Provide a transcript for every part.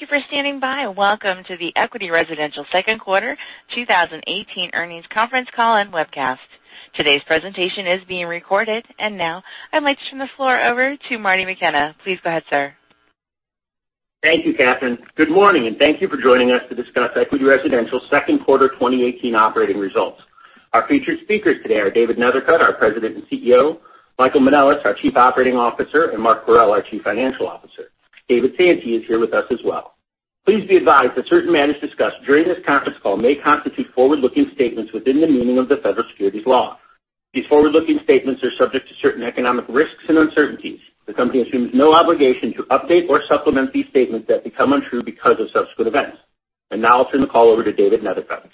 Thank you for standing by, welcome to the Equity Residential second quarter 2018 earnings conference call and webcast. Today's presentation is being recorded. Now I'd like to turn the floor over to Marty McKenna. Please go ahead, sir. Thank you, Catherine. Good morning, thank you for joining us to discuss Equity Residential second quarter 2018 operating results. Our featured speakers today are David Neithercut, our President and CEO; Michael Manelis, our Chief Operating Officer; and Mark Parrell, our Chief Financial Officer. David Santee is here with us as well. Please be advised that certain matters discussed during this conference call may constitute forward-looking statements within the meaning of the federal securities law. These forward-looking statements are subject to certain economic risks and uncertainties. The company assumes no obligation to update or supplement these statements that become untrue because of subsequent events. Now I'll turn the call over to David Neithercut.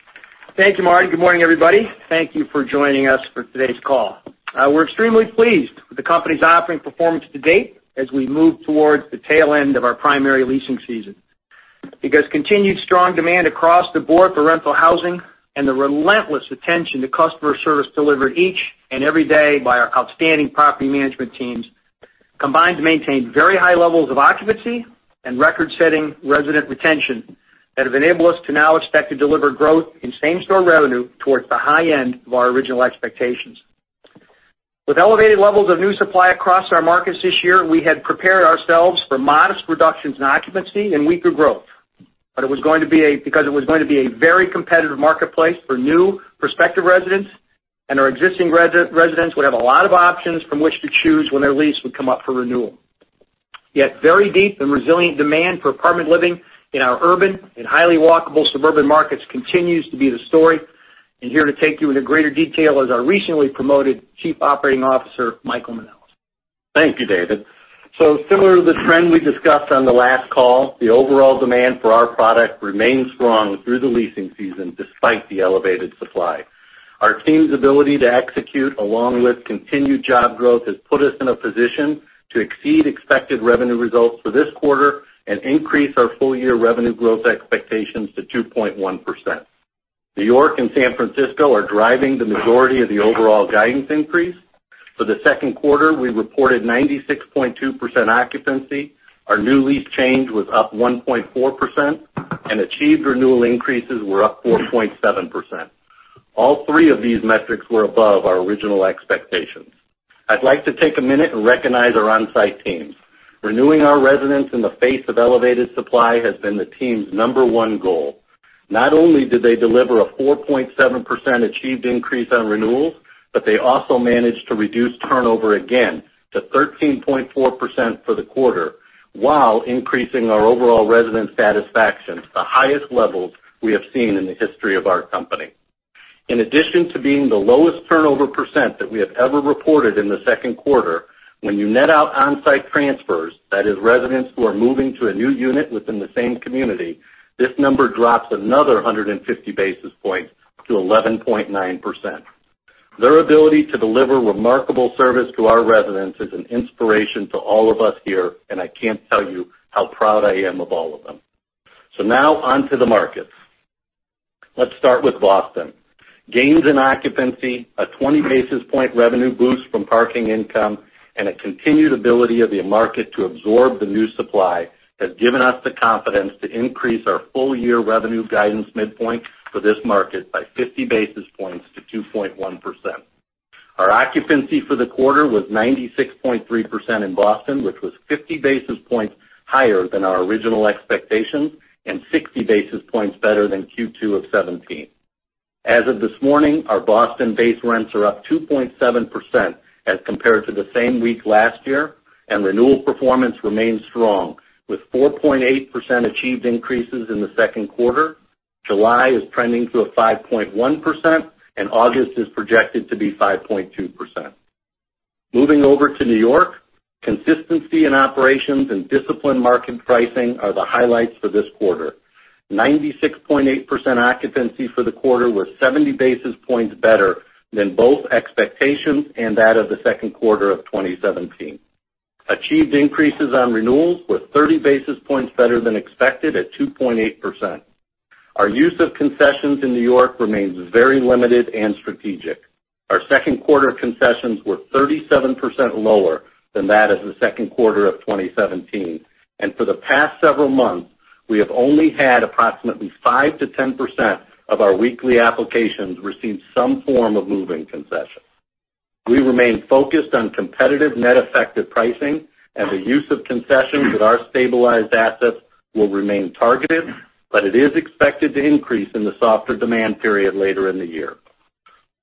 Thank you, Marty. Good morning, everybody. Thank you for joining us for today's call. We're extremely pleased with the company's operating performance to date as we move towards the tail end of our primary leasing season. Because continued strong demand across the board for rental housing and the relentless attention to customer service delivered each and every day by our outstanding property management teams combined to maintain very high levels of occupancy and record-setting resident retention that have enabled us to now expect to deliver growth in same-store revenue towards the high end of our original expectations. With elevated levels of new supply across our markets this year, we had prepared ourselves for modest reductions in occupancy and weaker growth because it was going to be a very competitive marketplace for new prospective residents, our existing residents would have a lot of options from which to choose when their lease would come up for renewal. Very deep and resilient demand for apartment living in our urban and highly walkable suburban markets continues to be the story. Here to take you into greater detail is our recently promoted Chief Operating Officer, Michael Manelis. Thank you, David. Similar to the trend we discussed on the last call, the overall demand for our product remains strong through the leasing season despite the elevated supply. Our team's ability to execute, along with continued job growth, has put us in a position to exceed expected revenue results for this quarter and increase our full-year revenue growth expectations to 2.1%. New York and San Francisco are driving the majority of the overall guidance increase. For the second quarter, we reported 96.2% occupancy. Our new lease change was up 1.4%, and achieved renewal increases were up 4.7%. All three of these metrics were above our original expectations. I'd like to take a minute and recognize our on-site teams. Renewing our residents in the face of elevated supply has been the team's number one goal. Not only did they deliver a 4.7% achieved increase on renewals, but they also managed to reduce turnover again to 13.4% for the quarter while increasing our overall resident satisfaction to the highest levels we have seen in the history of our company. In addition to being the lowest turnover percent that we have ever reported in the second quarter, when you net out on-site transfers, that is residents who are moving to a new unit within the same community, this number drops another 150 basis points to 11.9%. Their ability to deliver remarkable service to our residents is an inspiration to all of us here, and I can't tell you how proud I am of all of them. Now on to the markets. Let's start with Boston. Gains in occupancy, a 20-basis-point revenue boost from parking income, and a continued ability of the market to absorb the new supply has given us the confidence to increase our full-year revenue guidance midpoint for this market by 50 basis points to 2.1%. Our occupancy for the quarter was 96.3% in Boston, which was 50 basis points higher than our original expectations and 60 basis points better than Q2 of 2017. As of this morning, our Boston base rents are up 2.7% as compared to the same week last year, and renewal performance remains strong with 4.8% achieved increases in the second quarter. July is trending to a 5.1%, and August is projected to be 5.2%. Moving over to New York, consistency in operations and disciplined market pricing are the highlights for this quarter. 96.8% occupancy for the quarter was 70 basis points better than both expectations and that of the second quarter of 2017. Achieved increases on renewals were 30 basis points better than expected at 2.8%. Our use of concessions in New York remains very limited and strategic. Our second quarter concessions were 37% lower than that of the second quarter of 2017, and for the past several months, we have only had approximately 5%-10% of our weekly applications receive some form of move-in concession. We remain focused on competitive net effective pricing and the use of concessions with our stabilized assets will remain targeted, but it is expected to increase in the softer demand period later in the year.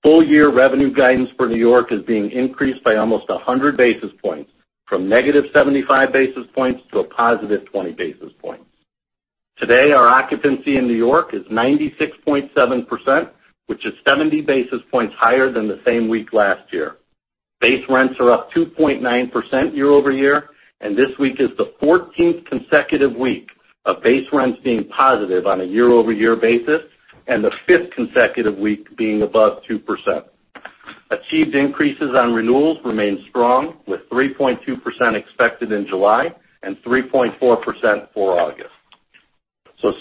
Full-year revenue guidance for New York is being increased by almost 100 basis points from negative 75 basis points to a positive 20 basis points. Today, our occupancy in New York is 96.7%, which is 70 basis points higher than the same week last year. Base rents are up 2.9% year-over-year, and this week is the 14th consecutive week of base rents being positive on a year-over-year basis and the fifth consecutive week being above 2%. Achieved increases on renewals remain strong with 3.2% expected in July and 3.4% for August.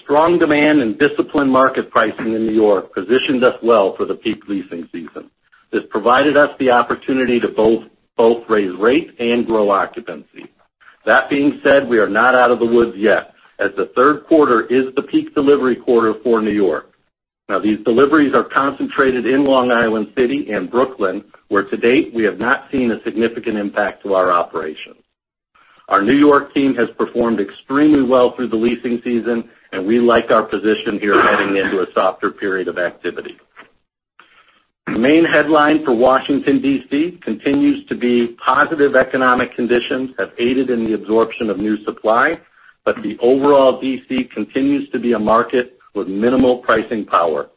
Strong demand and disciplined market pricing in New York positioned us well for the peak leasing season. This provided us the opportunity to both raise rate and grow occupancy. That being said, we are not out of the woods yet, as the third quarter is the peak delivery quarter for New York. These deliveries are concentrated in Long Island City and Brooklyn, where to date, we have not seen a significant impact to our operations. Our New York team has performed extremely well through the leasing season, and we like our position here heading into a softer period of activity. The main headline for Washington, D.C. continues to be positive economic conditions have aided in the absorption of new supply, but the overall D.C. continues to be a market with minimal pricing power.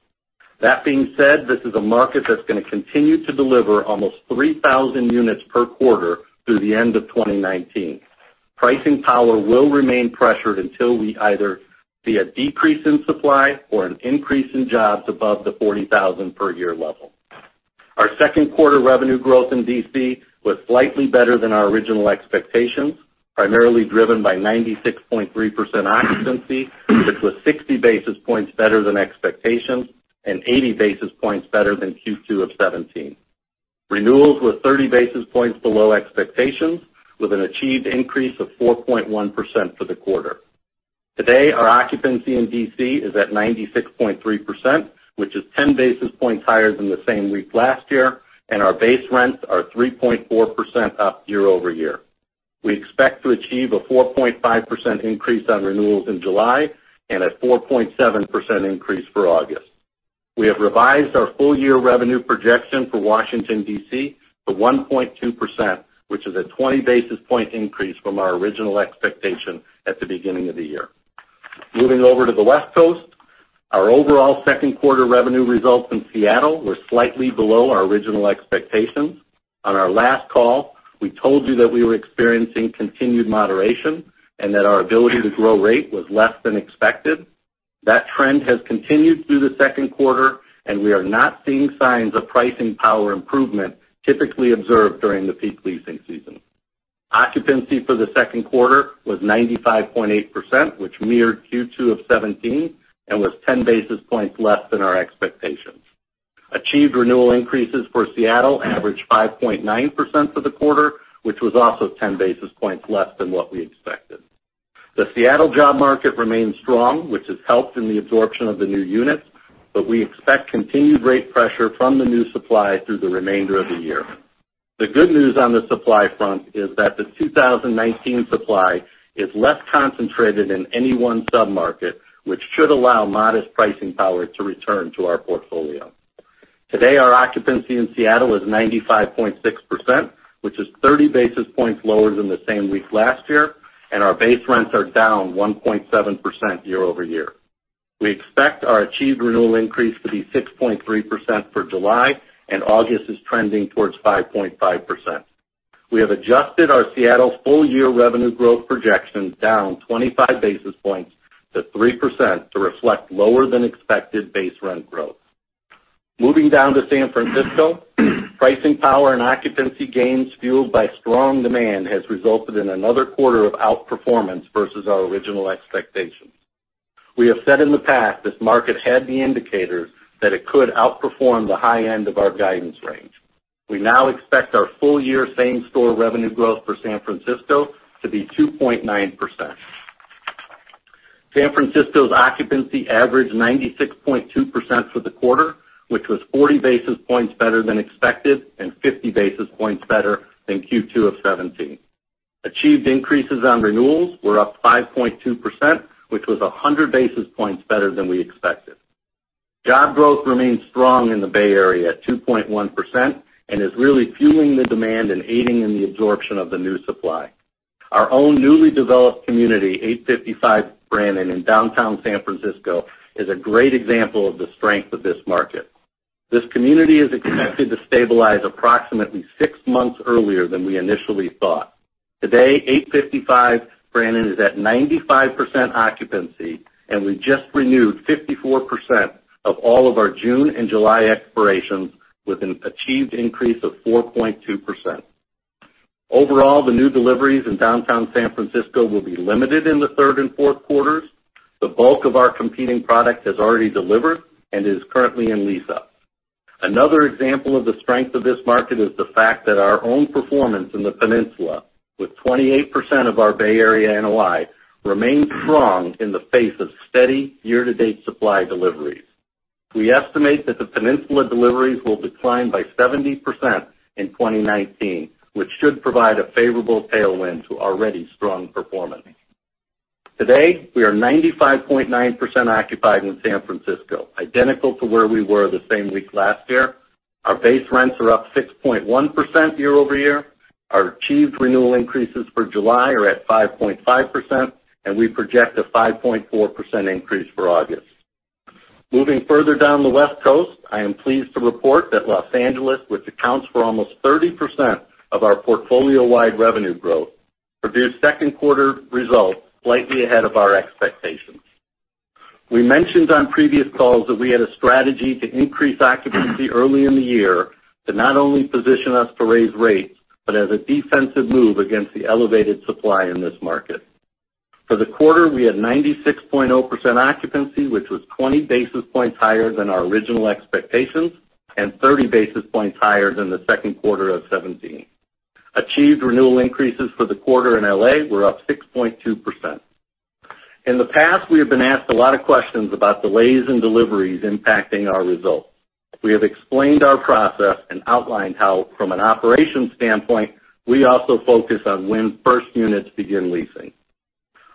That being said, this is a market that's going to continue to deliver almost 3,000 units per quarter through the end of 2019. Pricing power will remain pressured until we either see a decrease in supply or an increase in jobs above the 40,000 per year level. Our second quarter revenue growth in D.C. was slightly better than our original expectations, primarily driven by 96.3% occupancy, which was 60 basis points better than expectations and 80 basis points better than Q2 of 2017. Renewals were 30 basis points below expectations, with an achieved increase of 4.1% for the quarter. Today, our occupancy in D.C. is at 96.3%, which is 10 basis points higher than the same week last year, and our base rents are 3.4% up year-over-year. We expect to achieve a 4.5% increase on renewals in July and a 4.7% increase for August. We have revised our full-year revenue projection for Washington, D.C., to 1.2%, which is a 20 basis point increase from our original expectation at the beginning of the year. Moving over to the West Coast, our overall second quarter revenue results in Seattle were slightly below our original expectations. On our last call, we told you that we were experiencing continued moderation, and that our ability to grow rate was less than expected. That trend has continued through the second quarter, and we are not seeing signs of pricing power improvement typically observed during the peak leasing season. Occupancy for the second quarter was 95.8%, which mirrored Q2 of 2017 and was 10 basis points less than our expectations. Achieved renewal increases for Seattle averaged 5.9% for the quarter, which was also 10 basis points less than what we expected. The Seattle job market remains strong, which has helped in the absorption of the new units, but we expect continued rate pressure from the new supply through the remainder of the year. The good news on the supply front is that the 2019 supply is less concentrated in any one sub-market, which should allow modest pricing power to return to our portfolio. Today, our occupancy in Seattle is 95.6%, which is 30 basis points lower than the same week last year, and our base rents are down 1.7% year-over-year. We expect our achieved renewal increase to be 6.3% for July, and August is trending towards 5.5%. We have adjusted our Seattle full-year revenue growth projection down 25 basis points to 3% to reflect lower than expected base rent growth. Moving down to San Francisco, pricing power and occupancy gains fueled by strong demand has resulted in another quarter of outperformance versus our original expectations. We have said in the past this market had the indicators that it could outperform the high end of our guidance range. We now expect our full-year same-store revenue growth for San Francisco to be 2.9%. San Francisco's occupancy averaged 96.2% for the quarter, which was 40 basis points better than expected and 50 basis points better than Q2 of 2017. Achieved increases on renewals were up 5.2%, which was 100 basis points better than we expected. Job growth remains strong in the Bay Area at 2.1% and is really fueling the demand and aiding in the absorption of the new supply. Our own newly developed community, 855 Brannan in downtown San Francisco, is a great example of the strength of this market. This community is expected to stabilize approximately six months earlier than we initially thought. Today, 855 Brannan is at 95% occupancy, and we just renewed 54% of all of our June and July expirations with an achieved increase of 4.2%. Overall, the new deliveries in downtown San Francisco will be limited in the third and fourth quarters. The bulk of our competing product has already delivered and is currently in lease-up. Another example of the strength of this market is the fact that our own performance in the Peninsula, with 28% of our Bay Area NOI, remains strong in the face of steady year-to-date supply deliveries. We estimate that the Peninsula deliveries will decline by 70% in 2019, which should provide a favorable tailwind to already strong performance. Today, we are 95.9% occupied in San Francisco, identical to where we were the same week last year. Our base rents are up 6.1% year-over-year. Our achieved renewal increases for July are at 5.5%, and we project a 5.4% increase for August. Moving further down the West Coast, I am pleased to report that Los Angeles, which accounts for almost 30% of our portfolio-wide revenue growth, produced second quarter results slightly ahead of our expectations. We mentioned on previous calls that we had a strategy to increase occupancy early in the year to not only position us to raise rates, but as a defensive move against the elevated supply in this market. For the quarter, we had 96.0% occupancy, which was 20 basis points higher than our original expectations and 30 basis points higher than the second quarter of 2017. Achieved renewal increases for the quarter in L.A. were up 6.2%. In the past, we have been asked a lot of questions about delays in deliveries impacting our results. We have explained our process and outlined how, from an operations standpoint, we also focus on when first units begin leasing.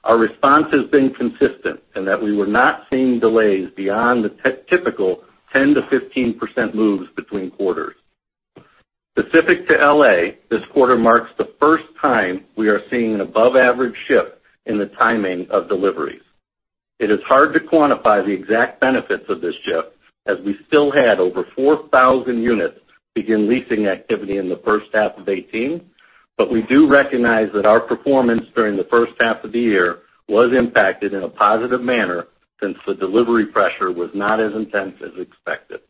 Our response has been consistent in that we were not seeing delays beyond the typical 10%-15% moves between quarters. Specific to L.A., this quarter marks the first time we are seeing an above-average shift in the timing of deliveries. It is hard to quantify the exact benefits of this shift, as we still had over 4,000 units begin leasing activity in the first half of 2018, but we do recognize that our performance during the first half of the year was impacted in a positive manner, since the delivery pressure was not as intense as expected.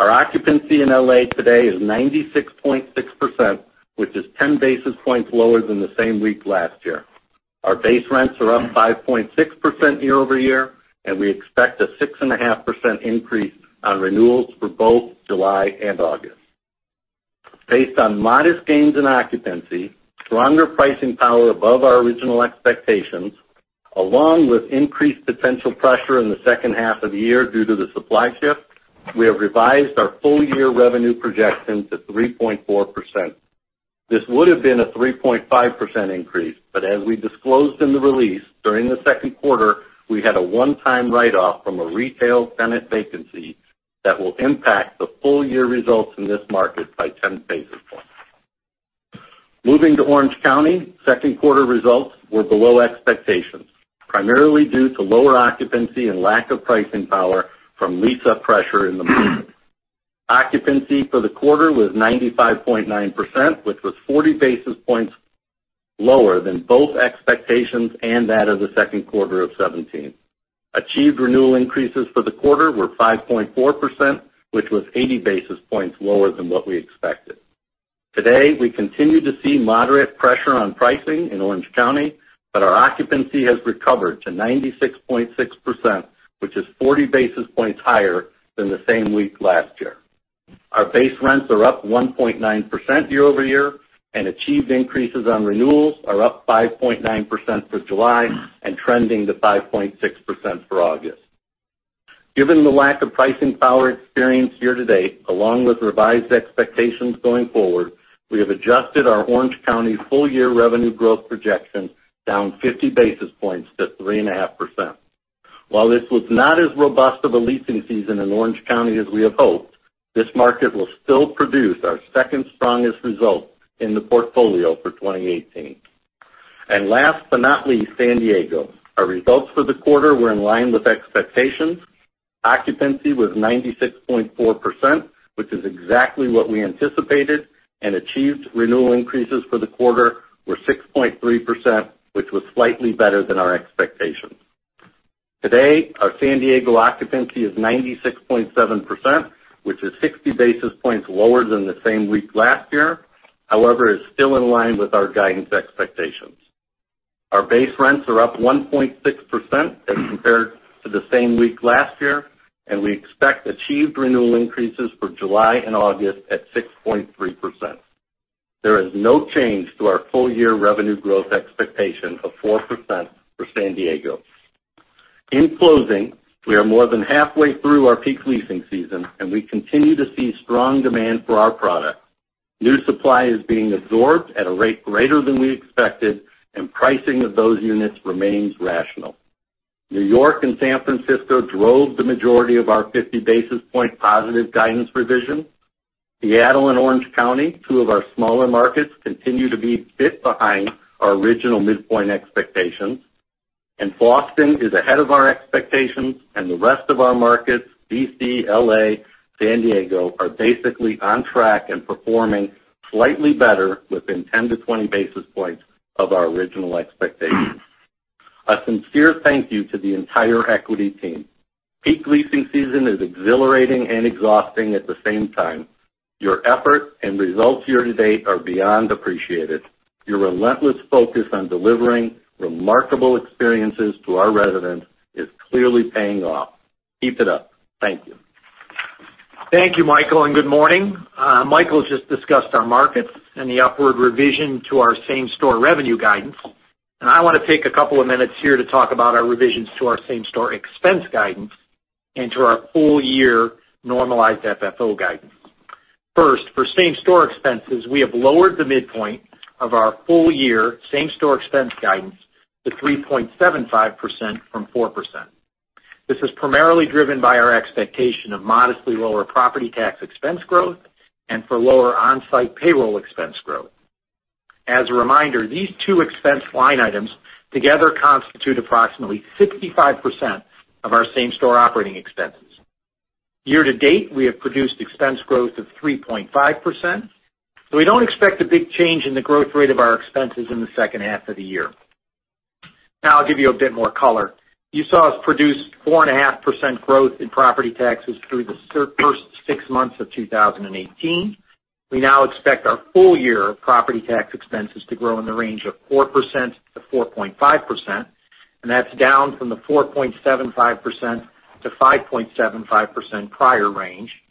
Our occupancy in L.A. today is 96.6%, which is 10 basis points lower than the same week last year. Our base rents are up 5.6% year-over-year, and we expect a 6.5% increase on renewals for both July and August. Based on modest gains in occupancy, stronger pricing power above our original expectations, along with increased potential pressure in the second half of the year due to the supply shift, we have revised our full-year revenue projections to 3.4%. This would've been a 3.5% increase, as we disclosed in the release, during the second quarter, we had a one-time write-off from a retail tenant vacancy that will impact the full-year results in this market by 10 basis points. Moving to Orange County, second quarter results were below expectations, primarily due to lower occupancy and lack of pricing power from lease-up pressure in the market. Occupancy for the quarter was 95.9%, which was 40 basis points lower than both expectations and that of the second quarter of 2017. Achieved renewal increases for the quarter were 5.4%, which was 80 basis points lower than what we expected. Today, we continue to see moderate pressure on pricing in Orange County, Our occupancy has recovered to 96.6%, which is 40 basis points higher than the same week last year. Our base rents are up 1.9% year-over-year, achieved increases on renewals are up 5.9% for July and trending to 5.6% for August. Given the lack of pricing power experienced year to date, along with revised expectations going forward, we have adjusted our Orange County full-year revenue growth projection down 50 basis points to 3.5%. While this was not as robust of a leasing season in Orange County as we had hoped, this market will still produce our second strongest result in the portfolio for 2018. Last but not least, San Diego. Our results for the quarter were in line with expectations. Occupancy was 96.4%, which is exactly what we anticipated, Achieved renewal increases for the quarter were 6.3%, which was slightly better than our expectations. Today, our San Diego occupancy is 96.7%, which is 60 basis points lower than the same week last year. However, it's still in line with our guidance expectations. Our base rents are up 1.6% as compared to the same week last year, We expect achieved renewal increases for July and August at 6.3%. There is no change to our full-year revenue growth expectation of 4% for San Diego. In closing, we are more than halfway through our peak leasing season, We continue to see strong demand for our product. New supply is being absorbed at a rate greater than we expected, Pricing of those units remains rational. New York and San Francisco drove the majority of our 50 basis point positive guidance revision. Seattle and Orange County, two of our smaller markets, continue to be a bit behind our original midpoint expectations. Boston is ahead of our expectations, and the rest of our markets, D.C., L.A., San Diego, are basically on track and performing slightly better within 10 to 20 basis points of our original expectations. A sincere thank you to the entire Equity team. Peak leasing season is exhilarating and exhausting at the same time. Your effort and results year to date are beyond appreciated. Your relentless focus on delivering remarkable experiences to our residents is clearly paying off. Keep it up. Thank you. Thank you, Michael, and good morning. Michael just discussed our markets and the upward revision to our same-store revenue guidance. I want to take a couple of minutes here to talk about our revisions to our same-store expense guidance and to our full-year normalized FFO guidance. First, for same-store expenses, we have lowered the midpoint of our full-year same-store expense guidance to 3.75% from 4%. This is primarily driven by our expectation of modestly lower property tax expense growth and for lower on-site payroll expense growth. As a reminder, these two expense line items together constitute approximately 65% of our same-store operating expenses. Year-to-date, we have produced expense growth of 3.5%, we don't expect a big change in the growth rate of our expenses in the second half of the year. Now I'll give you a bit more color. You saw us produce 4.5% growth in property taxes through the first six months of 2018. We now expect our full year of property tax expenses to grow in the range of 4%-4.5%, and that's down from the 4.75%-5.75% prior range.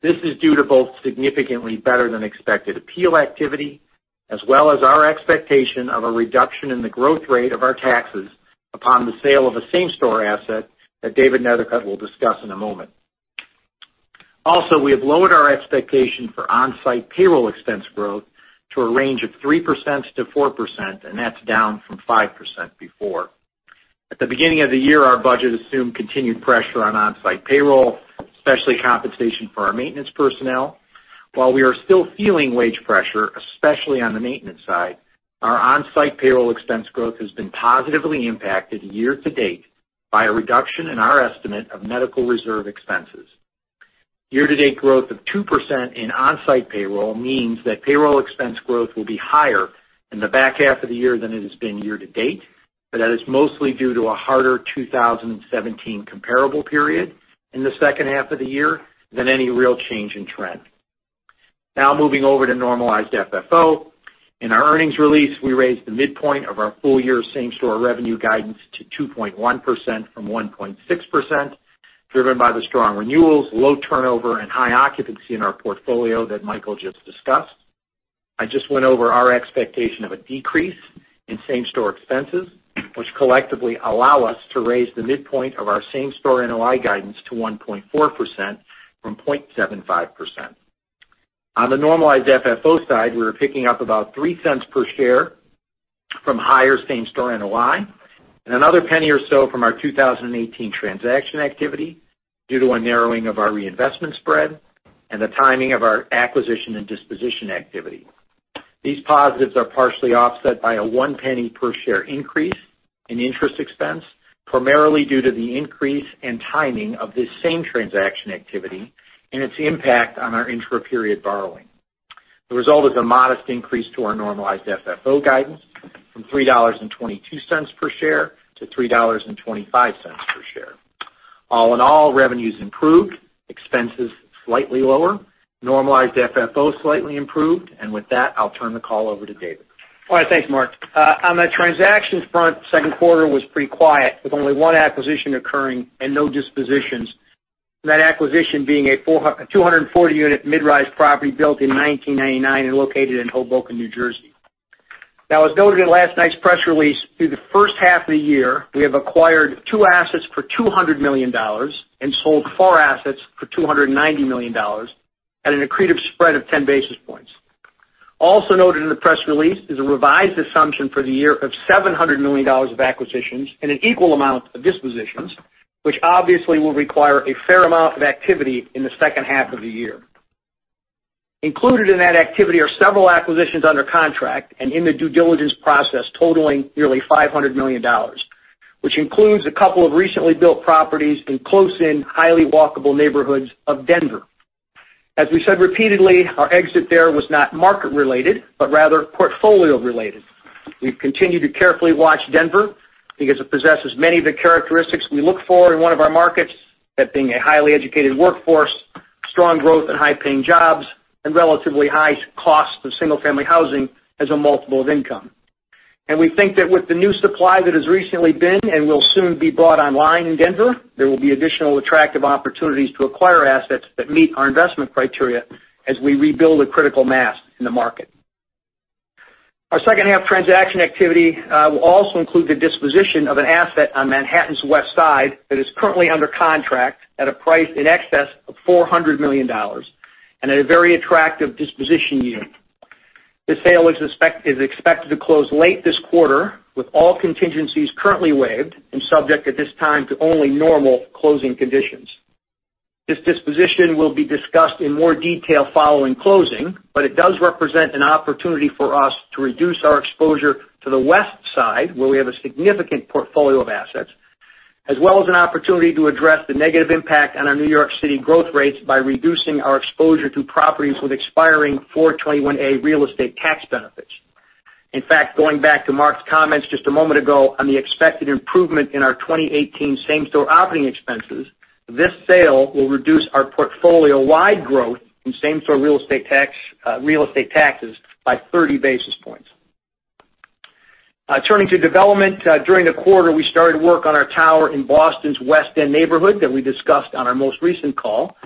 This is due to both significantly better than expected appeal activity, as well as our expectation of a reduction in the growth rate of our taxes upon the sale of a same-store asset that David Neithercut will discuss in a moment. Also, we have lowered our expectation for on-site payroll expense growth to a range of 3%-4%, and that's down from 5% before. At the beginning of the year, our budget assumed continued pressure on on-site payroll, especially compensation for our maintenance personnel. While we are still feeling wage pressure, especially on the maintenance side, our on-site payroll expense growth has been positively impacted year-to-date by a reduction in our estimate of medical reserve expenses. Year-to-date growth of 2% in on-site payroll means that payroll expense growth will be higher in the back half of the year than it has been year-to-date, but that is mostly due to a harder 2017 comparable period in the second half of the year than any real change in trend. Now moving over to normalized FFO. In our earnings release, we raised the midpoint of our full-year same-store revenue guidance to 2.1% from 1.6%, driven by the strong renewals, low turnover, and high occupancy in our portfolio that Michael just discussed. I just went over our expectation of a decrease in same-store expenses, which collectively allow us to raise the midpoint of our same-store NOI guidance to 1.4% from 0.75%. On the normalized FFO side, we are picking up about $0.03 per share from higher same-store NOI and another $0.01 or so from our 2018 transaction activity due to a narrowing of our reinvestment spread and the timing of our acquisition and disposition activity. These positives are partially offset by a $0.01 per share increase in interest expense, primarily due to the increase in timing of this same transaction activity and its impact on our intra-period borrowing. The result is a modest increase to our normalized FFO guidance from $3.22 per share to $3.25 per share. All in all, revenues improved, expenses slightly lower, normalized FFO slightly improved. With that, I'll turn the call over to David. All right. Thanks, Mark. On the transactions front, second quarter was pretty quiet with only one acquisition occurring and no dispositions. That acquisition being a 240-unit mid-rise property built in 1999 and located in Hoboken, New Jersey. As noted in last night's press release, through the first half of the year, we have acquired two assets for $200 million and sold four assets for $290 million at an accretive spread of 10 basis points. Also noted in the press release is a revised assumption for the year of $700 million of acquisitions and an equal amount of dispositions, which obviously will require a fair amount of activity in the second half of the year. Included in that activity are several acquisitions under contract and in the due diligence process totaling nearly $500 million, which includes a couple of recently built properties in close-in, highly walkable neighborhoods of Denver. As we said repeatedly, our exit there was not market-related, but rather portfolio-related. We've continued to carefully watch Denver because it possesses many of the characteristics we look for in one of our markets, that being a highly educated workforce, strong growth and high-paying jobs, and relatively high cost of single-family housing as a multiple of income. We think that with the new supply that has recently been and will soon be brought online in Denver, there will be additional attractive opportunities to acquire assets that meet our investment criteria as we rebuild a critical mass in the market. Our second-half transaction activity will also include the disposition of an asset on Manhattan's West Side that is currently under contract at a price in excess of $400 million and at a very attractive disposition yield. This sale is expected to close late this quarter with all contingencies currently waived and subject at this time to only normal closing conditions. This disposition will be discussed in more detail following closing, but it does represent an opportunity for us to reduce our exposure to the West Side, where we have a significant portfolio of assets, as well as an opportunity to address the negative impact on our New York City growth rates by reducing our exposure to properties with expiring 421-a real estate tax benefits. In fact, going back to Mark's comments just a moment ago on the expected improvement in our 2018 same-store operating expenses, this sale will reduce our portfolio-wide growth in same-store real estate taxes by 30 basis points. Turning to development. During the quarter, we started work on our tower in Boston's West End neighborhood that we discussed on our most recent call.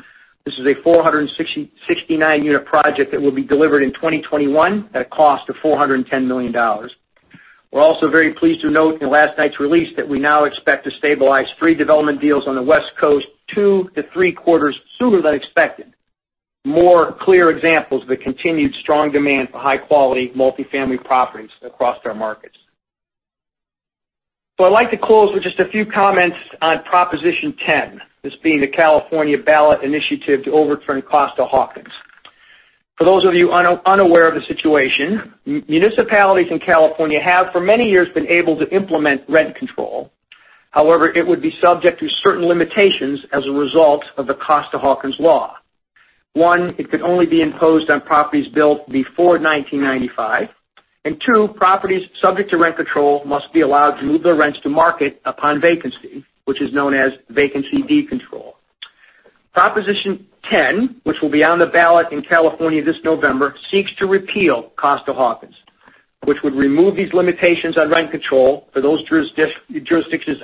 This is a 469-unit project that will be delivered in 2021 at a cost of $410 million. We're also very pleased to note in last night's release that we now expect to stabilize three development deals on the West Coast two to three quarters sooner than expected. More clear examples of the continued strong demand for high-quality multifamily properties across our markets. I'd like to close with just a few comments on Proposition 10, this being the California ballot initiative to overturn Costa-Hawkins. For those of you unaware of the situation, municipalities in California have, for many years, been able to implement rent control. However, it would be subject to certain limitations as a result of the Costa-Hawkins law. One, it could only be imposed on properties built before 1995, and two, properties subject to rent control must be allowed to move their rents to market upon vacancy, which is known as vacancy decontrol. Proposition 10, which will be on the ballot in California this November, seeks to repeal Costa-Hawkins, which would remove these limitations on rent control for those jurisdictions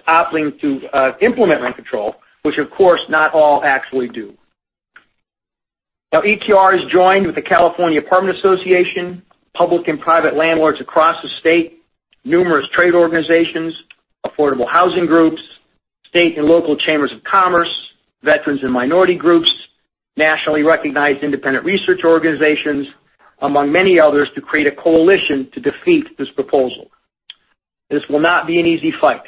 opting to implement rent control, which of course not all actually do. EQR has joined with the California Apartment Association, public and private landlords across the state, numerous trade organizations, affordable housing groups, state and local chambers of commerce, veterans and minority groups, nationally recognized independent research organizations, among many others, to create a coalition to defeat this proposal. This will not be an easy fight,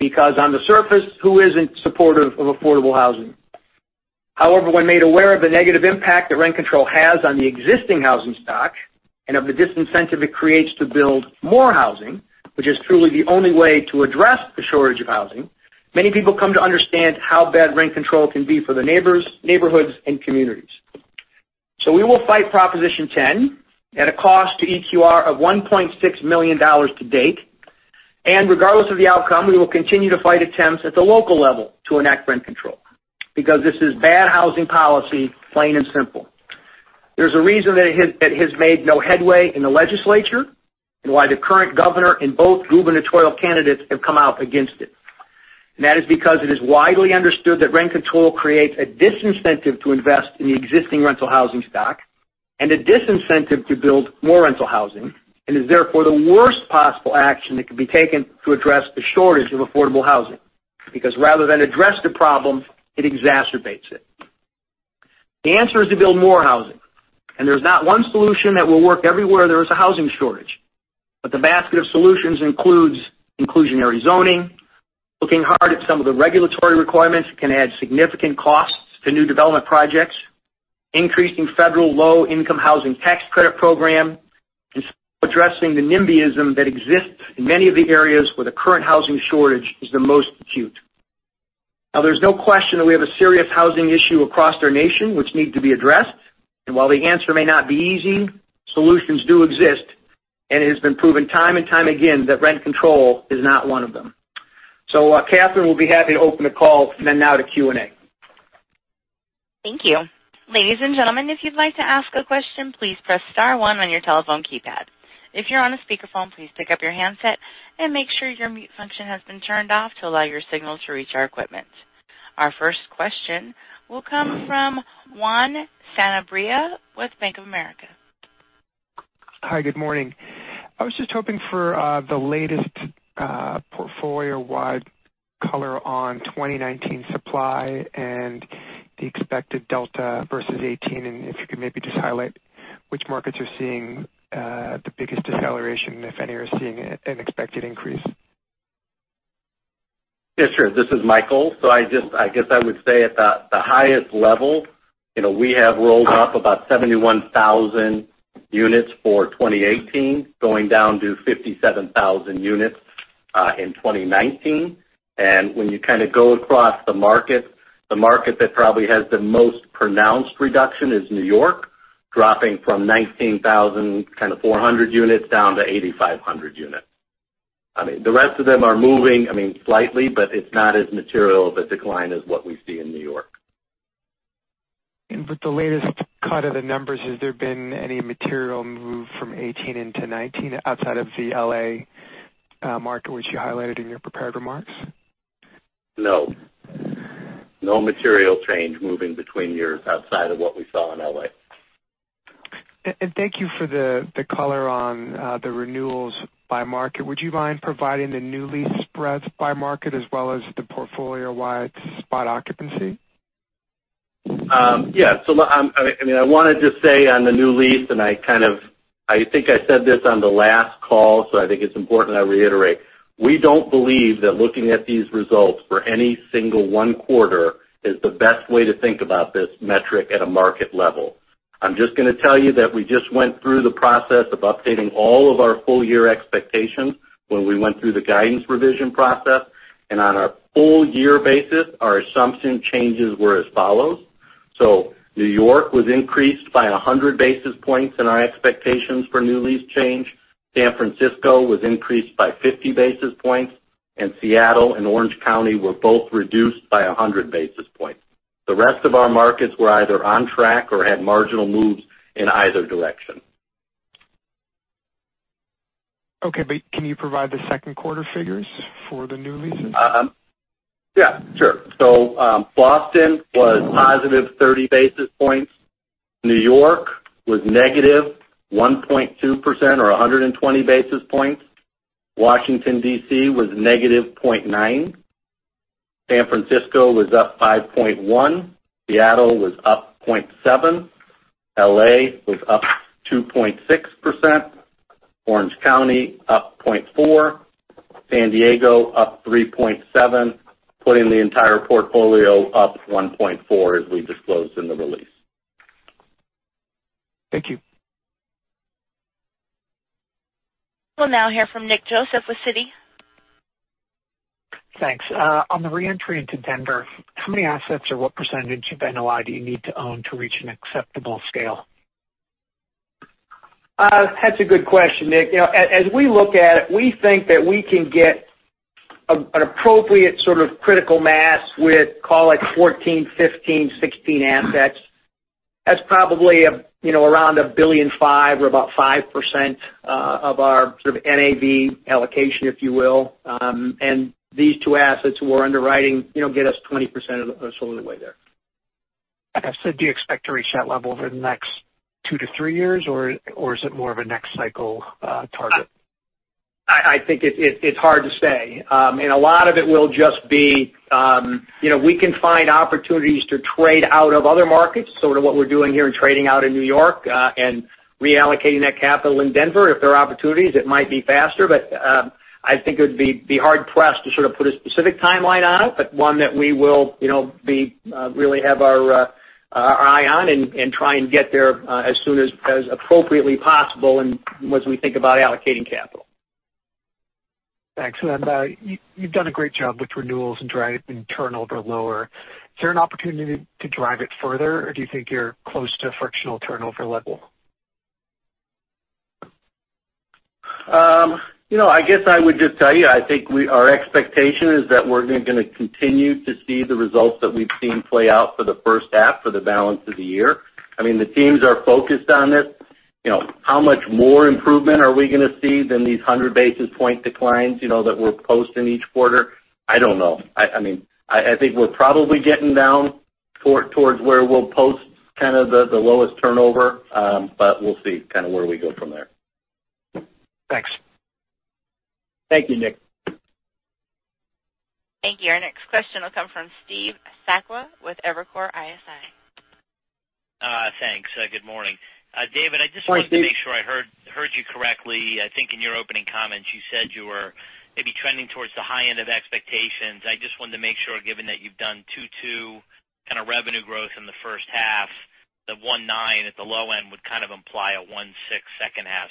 because on the surface, who isn't supportive of affordable housing? However, when made aware of the negative impact that rent control has on the existing housing stock and of the disincentive it creates to build more housing, which is truly the only way to address the shortage of housing, many people come to understand how bad rent control can be for their neighbors, neighborhoods, and communities. We will fight Proposition 10 at a cost to EQR of $1.6 million to date. Regardless of the outcome, we will continue to fight attempts at the local level to enact rent control, because this is bad housing policy, plain and simple. There's a reason that it has made no headway in the legislature, and why the current governor and both gubernatorial candidates have come out against it. That is because it is widely understood that rent control creates a disincentive to invest in the existing rental housing stock and a disincentive to build more rental housing, and is therefore the worst possible action that could be taken to address the shortage of affordable housing. Rather than address the problem, it exacerbates it. The answer is to build more housing, and there's not one solution that will work everywhere there is a housing shortage. The basket of solutions includes inclusionary zoning, looking hard at some of the regulatory requirements that can add significant costs to new development projects, increasing federal Low-Income Housing Tax Credit program, and addressing the NIMBYism that exists in many of the areas where the current housing shortage is the most acute. There's no question that we have a serious housing issue across our nation which need to be addressed. While the answer may not be easy, solutions do exist, and it has been proven time and time again that rent control is not one of them. Catherine will be happy to open the call then now to Q&A. Thank you. Ladies and gentlemen, if you'd like to ask a question, please press star one on your telephone keypad. If you're on a speakerphone, please pick up your handset and make sure your mute function has been turned off to allow your signal to reach our equipment. Our first question will come from Juan Sanabria with Bank of America. Hi, good morning. I was just hoping for the latest portfolio-wide color on 2019 supply and the expected delta versus 2018, and if you could maybe just highlight which markets are seeing the biggest deceleration, and if any are seeing an expected increase. Sure. This is Michael. I guess I would say at the highest level, we have rolled off about 71,000 units for 2018, going down to 57,000 units, in 2019. When you go across the market, the market that probably has the most pronounced reduction is New York, dropping from 19,400 units down to 8,500 units. The rest of them are moving slightly, but it's not as material of a decline as what we see in New York. With the latest cut of the numbers, has there been any material move from 2018 into 2019 outside of the L.A. market, which you highlighted in your prepared remarks? No. No material change moving between years outside of what we saw in L.A. Thank you for the color on the renewals by market. Would you mind providing the new lease spreads by market as well as the portfolio-wide spot occupancy? Yeah. I want to just say on the new lease, I think I said this on the last call, I think it's important I reiterate. We don't believe that looking at these results for any single one quarter is the best way to think about this metric at a market level. I'm just going to tell you that we just went through the process of updating all of our full year expectations when we went through the guidance revision process. On a full year basis, our assumption changes were as follows. New York was increased by 100 basis points in our expectations for new lease change. San Francisco was increased by 50 basis points, and Seattle and Orange County were both reduced by 100 basis points. The rest of our markets were either on track or had marginal moves in either direction. Okay, can you provide the second quarter figures for the new leases? Yeah, sure. Boston was positive 30 basis points. New York was negative 1.2%, or 120 basis points. Washington, D.C., was negative 0.9%. San Francisco was up 5.1%. Seattle was up 0.7%. L.A. was up 2.6%. Orange County up 0.4%. San Diego up 3.7%, putting the entire portfolio up 1.4%, as we disclosed in the release. Thank you. We'll now hear from Nick Joseph with Citi. Thanks. On the re-entry into Denver, how many assets or what percentage of NOI do you need to own to reach an acceptable scale? That's a good question, Nick. We think that we can get an appropriate sort of critical mass with, call it 14, 15, 16 assets. That's probably around $1.5 billion or about 5% of our sort of NAV allocation, if you will. These two assets we're underwriting, get us 20% of the way there. Do you expect to reach that level over the next two to three years? Is it more of a next cycle target? I think it's hard to say. A lot of it will just be, we can find opportunities to trade out of other markets, sort of what we're doing here in trading out in New York, and reallocating that capital in Denver. If there are opportunities, it might be faster. I think it would be hard-pressed to sort of put a specific timeline on it, but one that we will really have our eye on and try and get there as soon as appropriately possible and as we think about allocating capital. Thanks. You've done a great job with renewals and driving turnover lower. Is there an opportunity to drive it further, or do you think you're close to a frictional turnover level? I guess I would just tell you, I think our expectation is that we're going to continue to see the results that we've seen play out for the first half for the balance of the year. I mean, the teams are focused on this. How much more improvement are we going to see than these 100-basis-point declines that we're posting each quarter? I don't know. I think we're probably getting down towards where we'll post kind of the lowest turnover, but we'll see kind of where we go from there. Thanks. Thank you, Nick. Thank you. Our next question will come from Steve Sakwa with Evercore ISI. Thanks. Good morning. Morning, Steve. David, I just wanted to make sure I heard you correctly. I think in your opening comments, you said you were maybe trending towards the high end of expectations. I just wanted to make sure, given that you've done 2.2% kind of revenue growth in the first half, the 1.9% at the low end would kind of imply a 1.6% second half.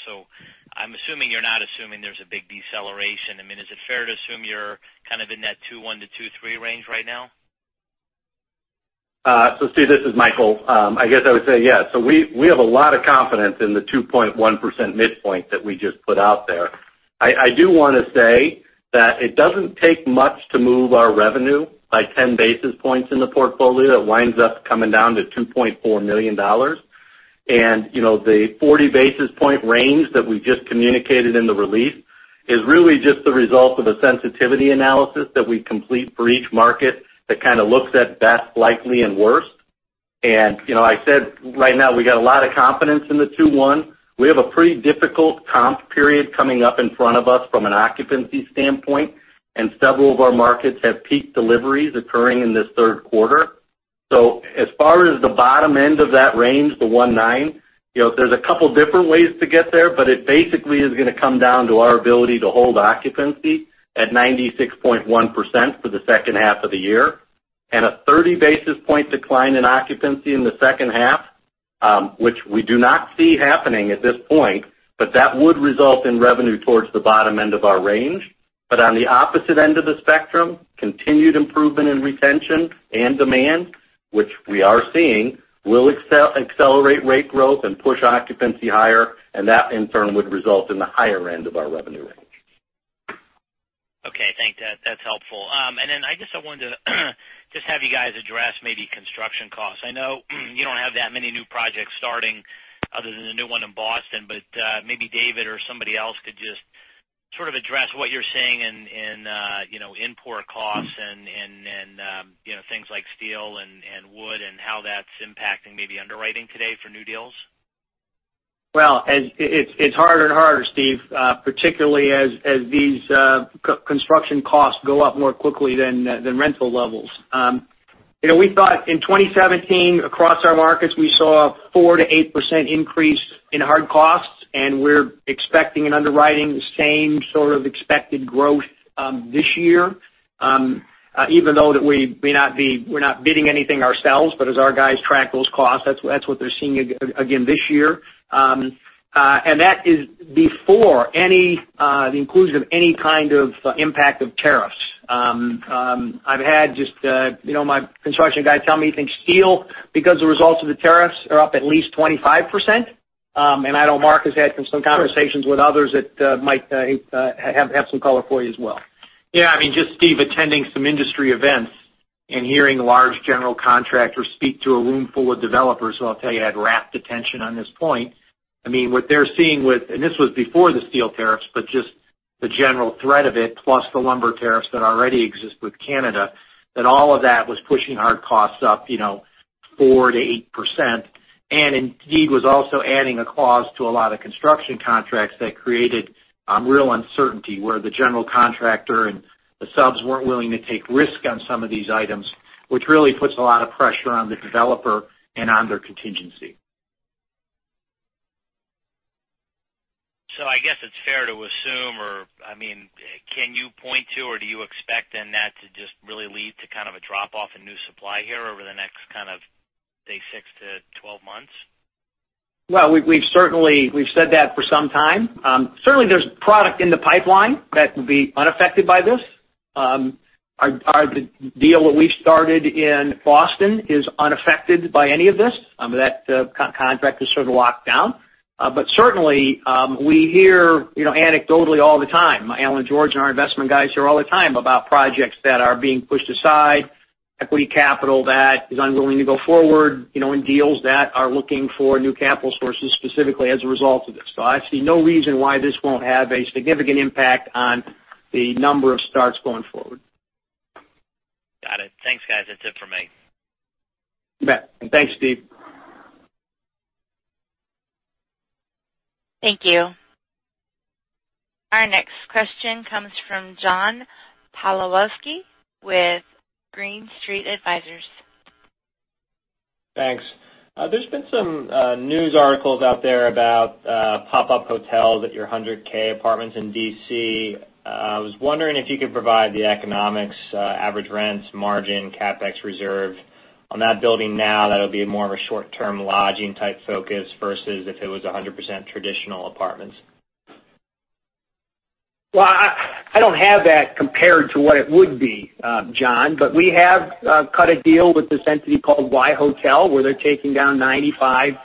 I'm assuming you're not assuming there's a big deceleration. I mean, is it fair to assume you're kind of in that 2.1%-2.3% range right now? Steve, this is Michael. I guess I would say yes. We have a lot of confidence in the 2.1% midpoint that we just put out there. I do want to say that it doesn't take much to move our revenue by 10 basis points in the portfolio. That winds up coming down to $2.4 million. The 40-basis-point range that we just communicated in the release is really just the result of a sensitivity analysis that we complete for each market that kind of looks at best, likely, and worst. I said right now we got a lot of confidence in the 2.1%. We have a pretty difficult comp period coming up in front of us from an occupancy standpoint, and several of our markets have peak deliveries occurring in this third quarter. As far as the bottom end of that range, the 1.9, there's a couple different ways to get there, but it basically is going to come down to our ability to hold occupancy at 96.1% for the second half of the year. A 30-basis-point decline in occupancy in the second half, which we do not see happening at this point, but that would result in revenue towards the bottom end of our range. On the opposite end of the spectrum, continued improvement in retention and demand, which we are seeing, will accelerate rate growth and push occupancy higher, and that in turn would result in the higher end of our revenue range. Okay, thanks. That's helpful. I just wanted to just have you guys address maybe construction costs. I know you don't have that many new projects starting other than the new one in Boston, but maybe David or somebody else could just sort of address what you're seeing in input costs and things like steel and wood and how that's impacting maybe underwriting today for new deals. Well, it's harder and harder, Steve, particularly as these construction costs go up more quickly than rental levels. We thought in 2017, across our markets, we saw 4%-8% increase in hard costs, we're expecting and underwriting the same sort of expected growth this year. Even though we're not bidding anything ourselves, but as our guys track those costs, that's what they're seeing again this year. That is before the inclusion of any kind of impact of tariffs. I've had my construction guy tell me he thinks steel, because the results of the tariffs, are up at least 25%. I know Mark has had some conversations with others that might have some color for you as well. Yeah, I mean, just Steve, attending some industry events and hearing large general contractors speak to a room full of developers, who I'll tell you had rapt attention on this point. This was before the steel tariffs, but just the general threat of it, plus the lumber tariffs that already exist with Canada, that all of that was pushing hard costs up 4%-8%. Indeed was also adding a clause to a lot of construction contracts that created. Real uncertainty where the general contractor and the subs weren't willing to take risk on some of these items, which really puts a lot of pressure on the developer and on their contingency. I guess it's fair to assume, or can you point to, or do you expect then that to just really lead to kind of a drop-off in new supply here over the next kind of, say, six to 12 months? Well, we've said that for some time. Certainly, there's product in the pipeline that will be unaffected by this. Our deal that we started in Boston is unaffected by any of this. That contract is sort of locked down. Certainly, we hear anecdotally all the time, Alan George and our investment guys hear all the time about projects that are being pushed aside, equity capital that is unwilling to go forward, and deals that are looking for new capital sources specifically as a result of this. I see no reason why this won't have a significant impact on the number of starts going forward. Got it. Thanks, guys. That's it for me. You bet. Thanks, Steve. Thank you. Our next question comes from John Pawlowski with Green Street Advisors. Thanks. There's been some news articles out there about pop-up hotels at your 100K Apartments in D.C. I was wondering if you could provide the economics, average rents, margin, CapEx reserve on that building now that it'll be more of a short-term lodging-type focus versus if it was 100% traditional apartments. Well, I don't have that compared to what it would be, John. We have cut a deal with this entity called WhyHotel, where they're taking down 95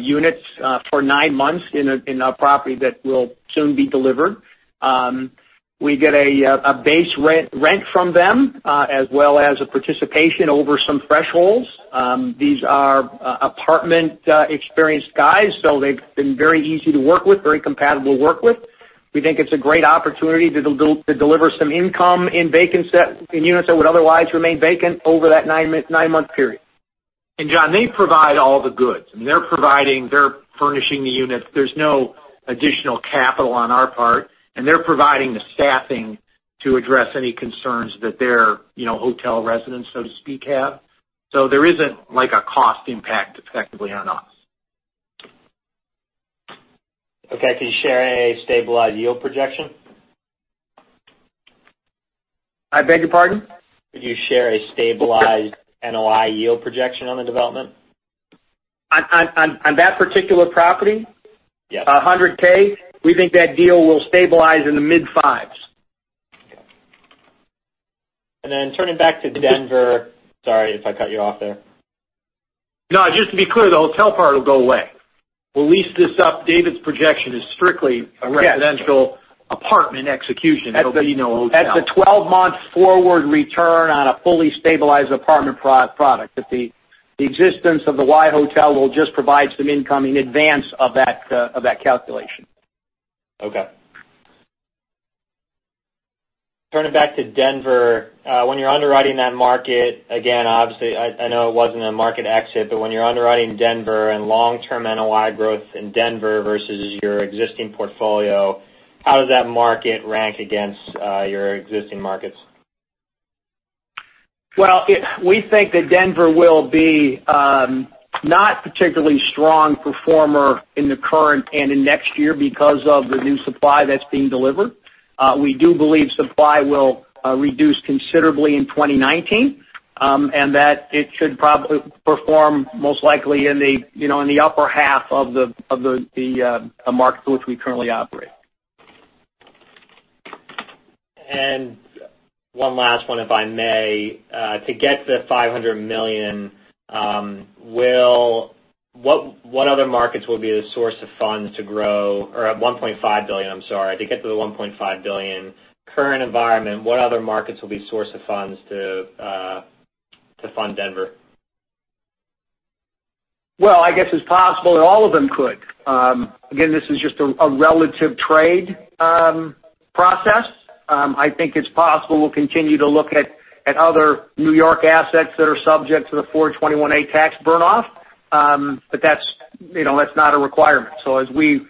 units for nine months in a property that will soon be delivered. We get a base rent from them, as well as a participation over some thresholds. These are apartment-experienced guys. They've been very easy to work with, very compatible to work with. We think it's a great opportunity to deliver some income in units that would otherwise remain vacant over that nine-month period. John, they provide all the goods. I mean, they're furnishing the units. There's no additional capital on our part, and they're providing the staffing to address any concerns that their hotel residents, so to speak, have. There isn't a cost impact effectively on us. Okay. Could you share a stabilized yield projection? I beg your pardon? Could you share a stabilized NOI yield projection on the development? On that particular property? Yes. 100K? We think that deal will stabilize in the mid-fives. Turning back to Denver. Sorry if I cut you off there. No, just to be clear, the hotel part will go away. We'll lease this up. David's projection is strictly a residential apartment execution. There'll be no hotel. That's a 12-month forward return on a fully stabilized apartment product. The existence of the WhyHotel will just provide some income in advance of that calculation. Okay. Turning back to Denver, when you're underwriting that market, again, obviously, I know it wasn't a market exit, but when you're underwriting Denver and long-term NOI growth in Denver versus your existing portfolio, how does that market rank against your existing markets? Well, we think that Denver will be not particularly strong performer in the current and in next year because of the new supply that's being delivered. We do believe supply will reduce considerably in 2019, that it should probably perform most likely in the upper half of the markets which we currently operate. One last one, if I may. To get the $500 million, or $1.5 billion, I'm sorry. To get to the $1.5 billion, current environment, what other markets will be source of funds to fund Denver? Well, I guess it's possible that all of them could. Again, this is just a relative trade process. I think it's possible we'll continue to look at other New York assets that are subject to the 421-a tax burn-off, but that's not a requirement. As we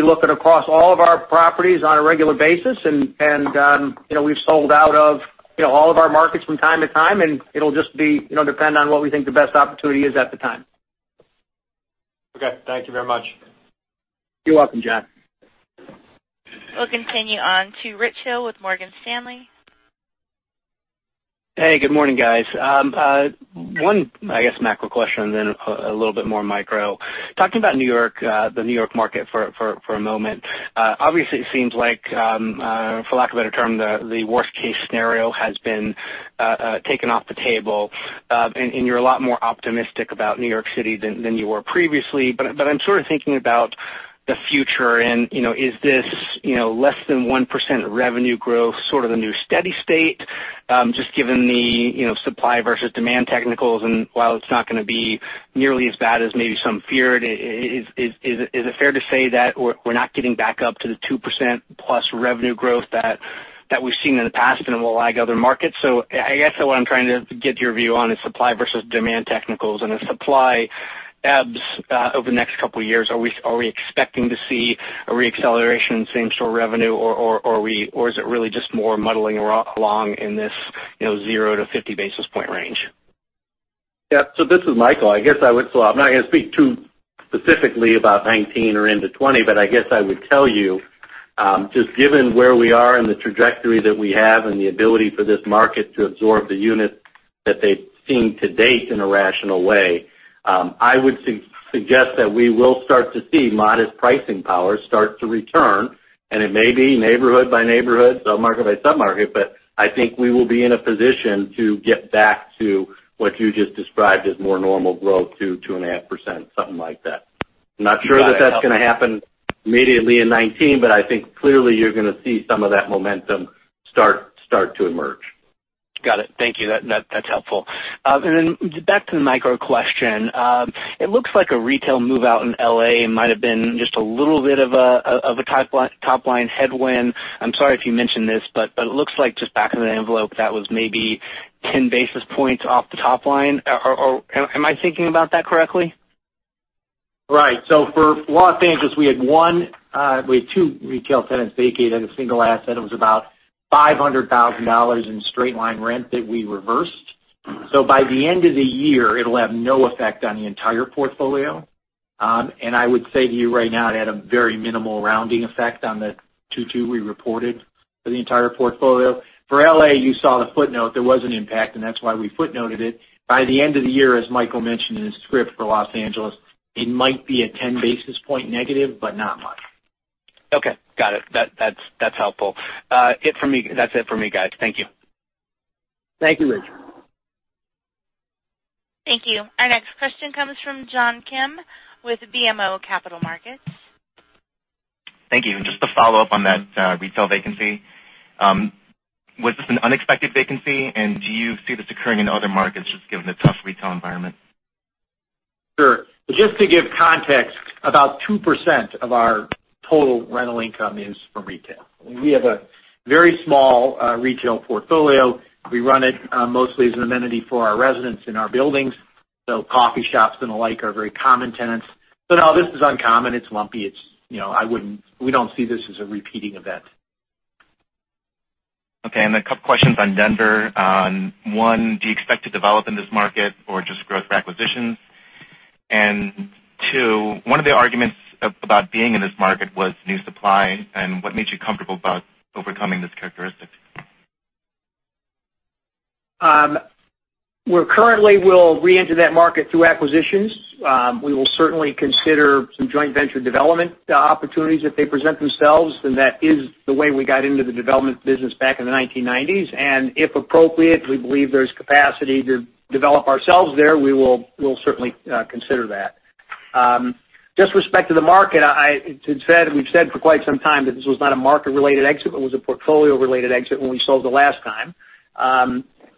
look at across all of our properties on a regular basis, and we've sold out of all of our markets from time to time, and it'll just depend on what we think the best opportunity is at the time. Okay. Thank you very much. You're welcome, John. We'll continue on to Rich Hightower with Morgan Stanley. Hey, good morning, guys. One, I guess, macro question, then a little bit more micro. Talking about the New York market for a moment. Obviously, it seems like, for lack of a better term, the worst-case scenario has been taken off the table, and you're a lot more optimistic about New York City than you were previously. I'm sort of thinking about the future, and is this less than 1% revenue growth sort of the new steady state, just given the supply versus demand technicals, and while it's not going to be nearly as bad as maybe some feared, is it fair to say that we're not getting back up to the 2% plus revenue growth that we've seen in the past and will lag other markets? I guess what I'm trying to get your view on is supply versus demand technicals, and if supply ebbs over the next couple of years, are we expecting to see a re-acceleration in same-store revenue, or is it really just more muddling along in this zero to 50 basis point range? Yeah. This is Michael. I'm not going to speak too specifically about 2019 or into 2020, but I guess I would tell you, just given where we are in the trajectory that we have and the ability for this market to absorb the units that they've seen to date in a rational way, I would suggest that we will start to see modest pricing power start to return, and it may be neighborhood by neighborhood, sub-market by sub-market, but I think we will be in a position to get back to what you just described as more normal growth, 2.5%, something like that. I'm not sure that that's going to happen immediately in 2019, but I think clearly you're going to see some of that momentum start to emerge. Got it. Thank you. That's helpful. Back to the micro question. It looks like a retail move-out in L.A. might've been just a little bit of a top-line headwind. I'm sorry if you mentioned this, it looks like just back of the envelope, that was maybe 10 basis points off the top line. Am I thinking about that correctly? Right. For L.A., we had two retail tenants vacate at a single asset. It was about $500,000 in straight-line rent that we reversed. By the end of the year, it'll have no effect on the entire portfolio. I would say to you right now, it had a very minimal rounding effect on the 2.2% we reported for the entire portfolio. For L.A., you saw the footnote. There was an impact, and that's why we footnoted it. By the end of the year, as Michael mentioned in his script for L.A., it might be a 10 basis points negative, but not much. Okay. Got it. That's helpful. That's it for me, guys. Thank you. Thank you, Rich. Thank you. Our next question comes from John Kim with BMO Capital Markets. Thank you. Just to follow up on that retail vacancy, was this an unexpected vacancy? Do you see this occurring in other markets, just given the tough retail environment? Sure. Just to give context, about 2% of our total rental income is from retail. We have a very small retail portfolio. We run it mostly as an amenity for our residents in our buildings. Coffee shops and the like are very common tenants. No, this is uncommon. It's lumpy. We don't see this as a repeating event. Okay, a couple of questions on Denver. One, do you expect to develop in this market or just growth by acquisitions? Two, one of the arguments about being in this market was new supply, what makes you comfortable about overcoming this characteristic? We're currently will re-enter that market through acquisitions. We will certainly consider some joint venture development opportunities if they present themselves, that is the way we got into the development business back in the 1990s. If appropriate, we believe there's capacity to develop ourselves there, we'll certainly consider that. Just with respect to the market, we've said for quite some time that this was not a market-related exit, but it was a portfolio-related exit when we sold the last time.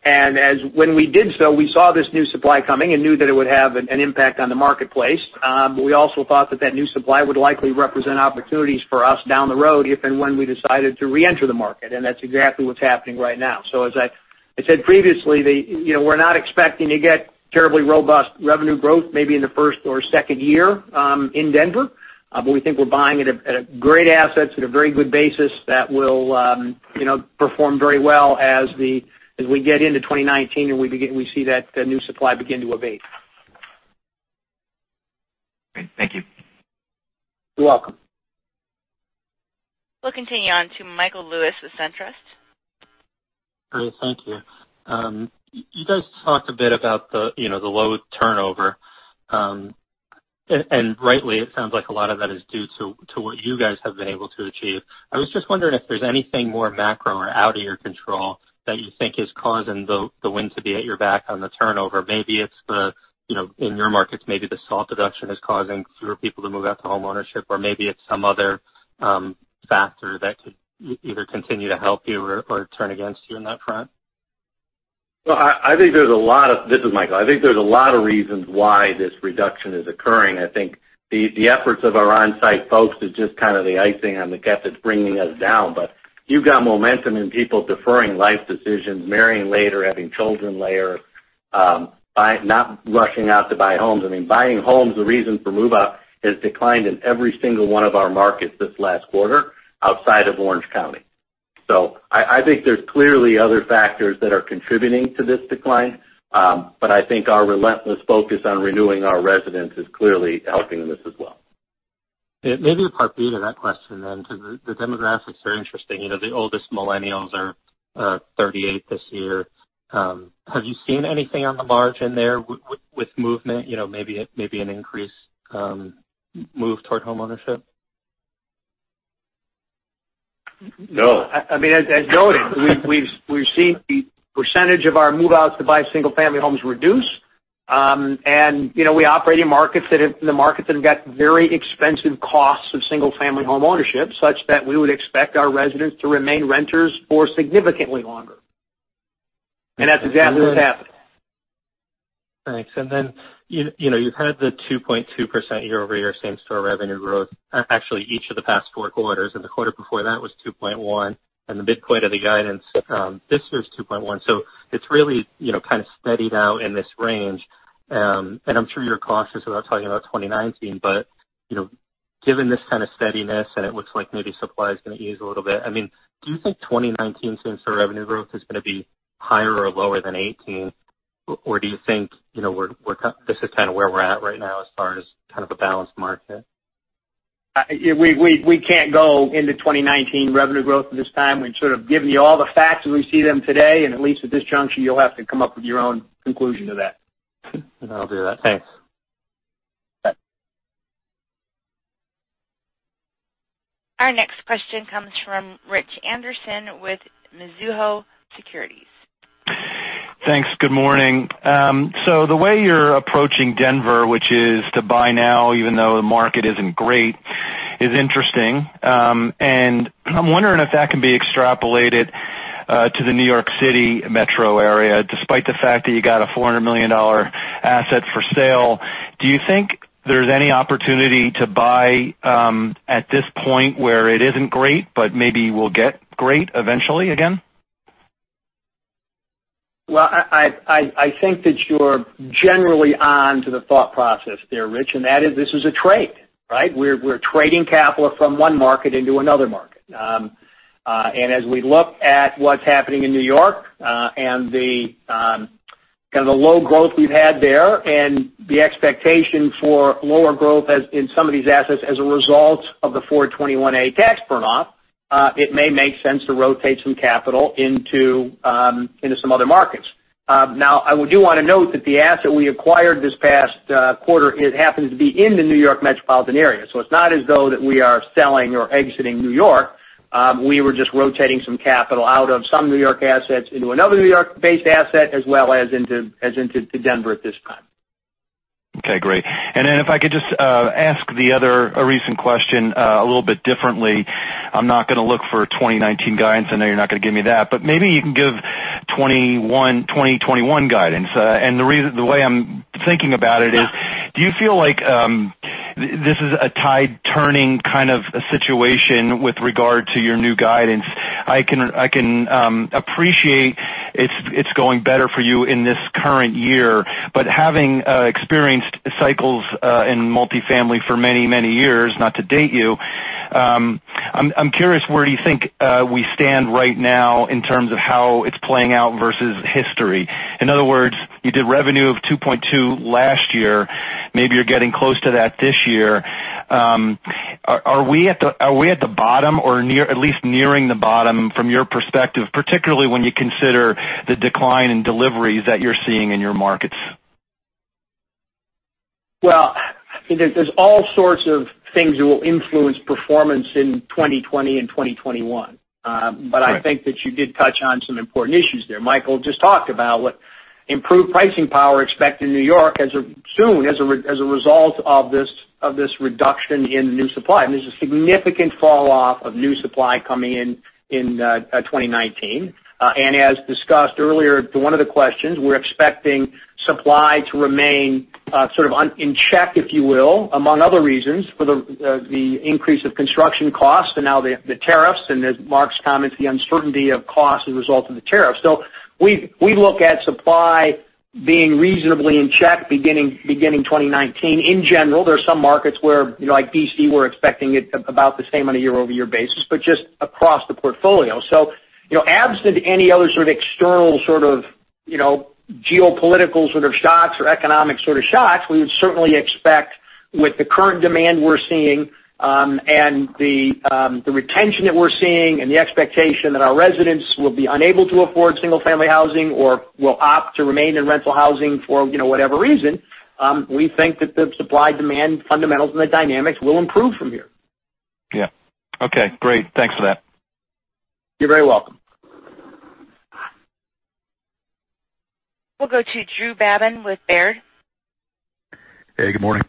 When we did so, we saw this new supply coming and knew that it would have an impact on the marketplace. We also thought that that new supply would likely represent opportunities for us down the road if and when we decided to re-enter the market, that's exactly what's happening right now. As I said previously, we're not expecting to get terribly robust revenue growth maybe in the first or second year in Denver. We think we're buying great assets at a very good basis that will perform very well as we get into 2019 and we see that new supply begin to abate. Great. Thank you. You're welcome. We'll continue on to Michael Lewis with SunTrust. Great. Thank you. You guys talked a bit about the low turnover, and rightly, it sounds like a lot of that is due to what you guys have been able to achieve. I was just wondering if there's anything more macro or out of your control that you think is causing the wind to be at your back on the turnover. Maybe in your markets, maybe the SALT deduction is causing fewer people to move out to homeownership, or maybe it's some other factor that could either continue to help you or turn against you on that front. Well, this is Michael. I think there's a lot of reasons why this reduction is occurring. I think the efforts of our on-site folks is just kind of the icing on the cake that's bringing us down. You've got momentum in people deferring life decisions, marrying later, having children later, not rushing out to buy homes. I mean, buying homes, the reason for move-out, has declined in every single one of our markets this last quarter outside of Orange County. I think there's clearly other factors that are contributing to this decline, but I think our relentless focus on renewing our residents is clearly helping in this as well. Yeah. Maybe a part B to that question, because the demographics are interesting. The oldest millennials are 38 this year. Have you seen anything on the margin there with movement, maybe an increased move toward homeownership? No. I mean, as noted, we've seen the percentage of our move-outs to buy single-family homes reduce. We operate in the markets that have got very expensive costs of single-family homeownership, such that we would expect our residents to remain renters for significantly longer. That's exactly what's happening. Thanks. You've had the 2.2% year-over-year same-store revenue growth, actually each of the past four quarters, and the quarter before that was 2.1, and the midpoint of the guidance this year is 2.1, so it's really kind of steady now in this range. I'm sure you're cautious about talking about 2019. Given this kind of steadiness, and it looks like maybe supply is going to ease a little bit. Do you think 2019's same-store revenue growth is going to be higher or lower than 2018? Do you think this is kind of where we're at right now as far as kind of a balanced market? We can't go into 2019 revenue growth at this time. We've sort of given you all the facts as we see them today, and at least at this juncture, you'll have to come up with your own conclusion to that. I'll do that. Thanks. Bye. Our next question comes from Rich Anderson with Mizuho Securities. Thanks. Good morning. The way you're approaching Denver, which is to buy now, even though the market isn't great, is interesting. I'm wondering if that can be extrapolated to the New York City metro area, despite the fact that you got a $400 million asset for sale. Do you think there's any opportunity to buy at this point where it isn't great, but maybe will get great eventually again? I think that you're generally on to the thought process there, Rich, this is a trade, right? We're trading capital from one market into another market. As we look at what's happening in New York, and the kind of low growth we've had there, and the expectation for lower growth in some of these assets as a result of the 421-a tax burn-off, it may make sense to rotate some capital into some other markets. I do want to note that the asset we acquired this past quarter happens to be in the New York metropolitan area, so it's not as though that we are selling or exiting New York. We were just rotating some capital out of some New York assets into another New York-based asset as well as into Denver at this time. Okay, great. If I could just ask the other recent question a little bit differently. I'm not going to look for 2019 guidance. I know you're not going to give me that. Maybe you can give 2021 guidance. The way I'm thinking about it is, do you feel like this is a tide-turning kind of situation with regard to your new guidance? I can appreciate it's going better for you in this current year, having experienced cycles in multifamily for many years, not to date you, I'm curious, where do you think we stand right now in terms of how it's playing out versus history? In other words, you did revenue of 2.2 last year. Maybe you're getting close to that this year. Are we at the bottom or at least nearing the bottom from your perspective, particularly when you consider the decline in deliveries that you're seeing in your markets? There's all sorts of things that will influence performance in 2020 and 2021. Right. I think that you did touch on some important issues there. Michael just talked about what improved pricing power expect in New York soon as a result of this reduction in new supply. There's a significant fall-off of new supply coming in in 2019. As discussed earlier to one of the questions, we're expecting supply to remain sort of in check, if you will, among other reasons, for the increase of construction costs and now the tariffs and as Mark's comments, the uncertainty of cost as a result of the tariffs. We look at supply being reasonably in check beginning 2019 in general. There are some markets where, like D.C., we're expecting it about the same on a year-over-year basis, but just across the portfolio. Absent any other sort of external geopolitical sort of shocks or economic sort of shocks, we would certainly expect with the current demand we're seeing, and the retention that we're seeing, and the expectation that our residents will be unable to afford single-family housing or will opt to remain in rental housing for whatever reason. We think that the supply-demand fundamentals and the dynamics will improve from here. Yeah. Okay, great. Thanks for that. You're very welcome. We'll go to Drew Babin with Baird. Hey, good morning.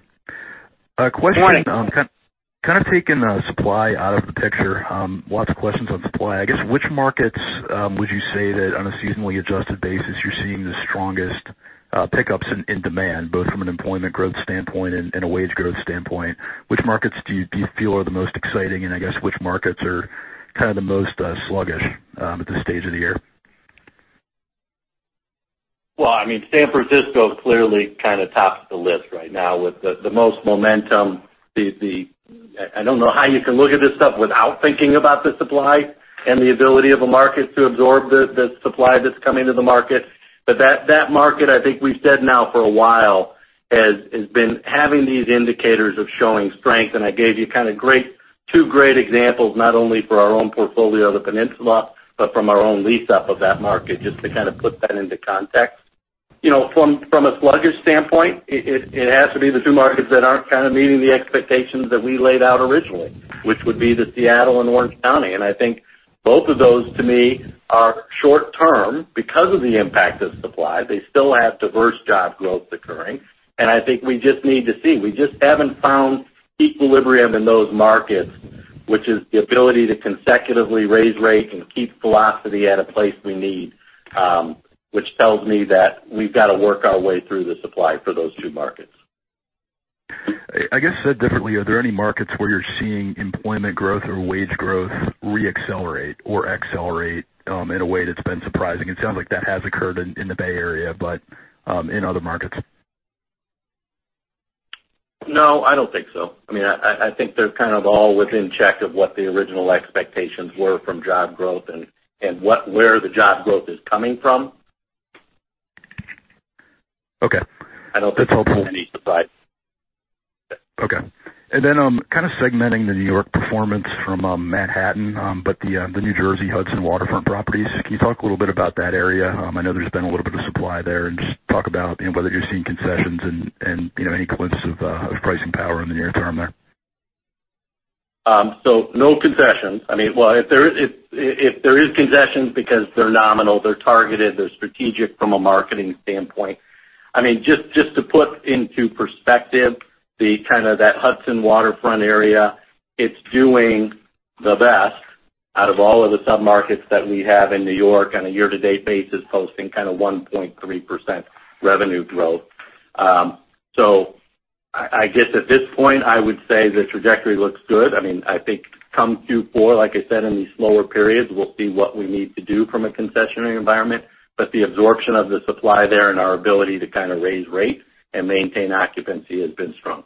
Morning. Kind of taking the supply out of the picture. Lots of questions on supply. I guess, which markets would you say that on a seasonally adjusted basis, you're seeing the strongest pickups in demand, both from an employment growth standpoint and a wage growth standpoint? Which markets do you feel are the most exciting, and I guess which markets are kind of the most sluggish at this stage of the year? San Francisco clearly kind of tops the list right now with the most momentum. I don't know how you can look at this stuff without thinking about the supply and the ability of a market to absorb the supply that's coming to the market. That market, I think we've said now for a while, has been having these indicators of showing strength, and I gave you two great examples, not only for our own portfolio, the Peninsula, but from our own lease-up of that market, just to kind of put that into context. From a sluggish standpoint, it has to be the two markets that aren't kind of meeting the expectations that we laid out originally, which would be Seattle and Orange County. I think both of those to me are short-term because of the impact of supply. They still have diverse job growth occurring. I think we just need to see. We just haven't found equilibrium in those markets, which is the ability to consecutively raise rates and keep velocity at a place we need, which tells me that we've got to work our way through the supply for those two markets. I guess said differently, are there any markets where you're seeing employment growth or wage growth re-accelerate or accelerate in a way that's been surprising? It sounds like that has occurred in the Bay Area, but in other markets. No, I don't think so. I think they're all within check of what the original expectations were from job growth and where the job growth is coming from. Okay. I don't think so on any side. Segmenting the New York performance from Manhattan, but the New Jersey Hudson waterfront properties, can you talk a little bit about that area? I know there's been a little bit of supply there, and just talk about whether you're seeing concessions and any glimpses of pricing power in the near term there. No concessions. If there is concessions, because they're nominal, they're targeted, they're strategic from a marketing standpoint. Just to put into perspective, that Hudson waterfront area, it's doing the best out of all of the sub-markets that we have in New York on a year-to-date basis, posting 1.3% revenue growth. I guess at this point, I would say the trajectory looks good. I think come Q4, like I said, in these slower periods, we'll see what we need to do from a concessionary environment, but the absorption of the supply there and our ability to raise rates and maintain occupancy has been strong.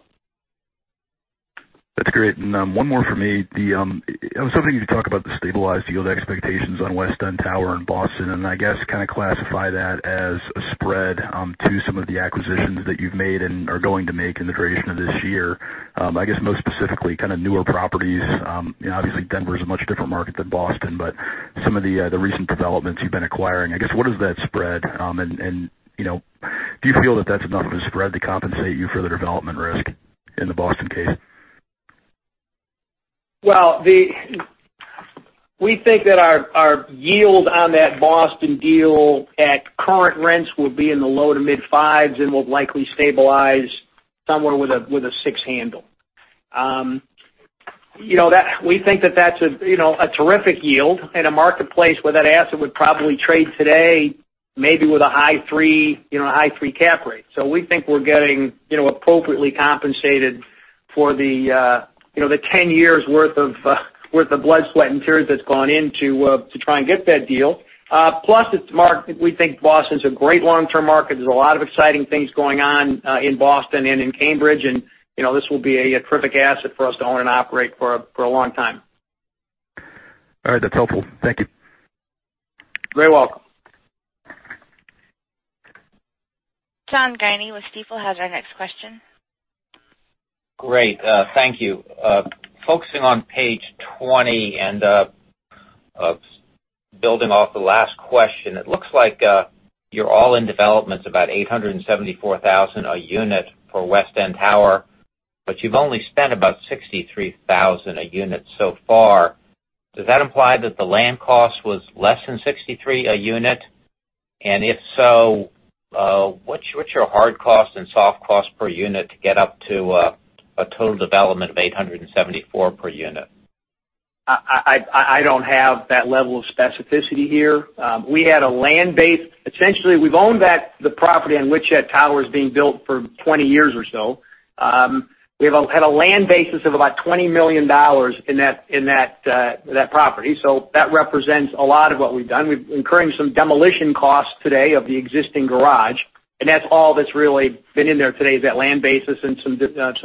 That's great. One more from me. I was hoping you'd talk about the stabilized yield expectations on West End Tower in Boston, and I guess classify that as a spread to some of the acquisitions that you've made and are going to make in the duration of this year. I guess, most specifically, newer properties. Obviously, Denver is a much different market than Boston, but some of the recent developments you've been acquiring, I guess, what is that spread? Do you feel that that's enough of a spread to compensate you for the development risk in the Boston case? Well, we think that our yield on that Boston deal at current rents will be in the low to mid fives and will likely stabilize somewhere with a six handle. We think that that's a terrific yield in a marketplace where that asset would probably trade today, maybe with a high three cap rate. We think we're getting appropriately compensated for the 10 years' worth of blood, sweat, and tears that's gone in to try and get that deal. We think Boston's a great long-term market. There's a lot of exciting things going on in Boston and in Cambridge, and this will be a terrific asset for us to own and operate for a long time. All right. That's helpful. Thank you. You're very welcome. John Guinee with Stifel has our next question. Great. Thank you. Focusing on page 20 and building off the last question, it looks like your all-in development's about $874,000 a unit for West End Tower, but you've only spent about $63,000 a unit so far. Does that imply that the land cost was less than $63 a unit? If so, what's your hard cost and soft cost per unit to get up to a total development of $874 per unit? I don't have that level of specificity here. Essentially, we've owned the property in which that tower is being built for 20 years or so. We've had a land basis of about $20 million in that property. That represents a lot of what we've done. We've incurred some demolition costs today of the existing garage, and that's all that's really been in there today, is that land basis and some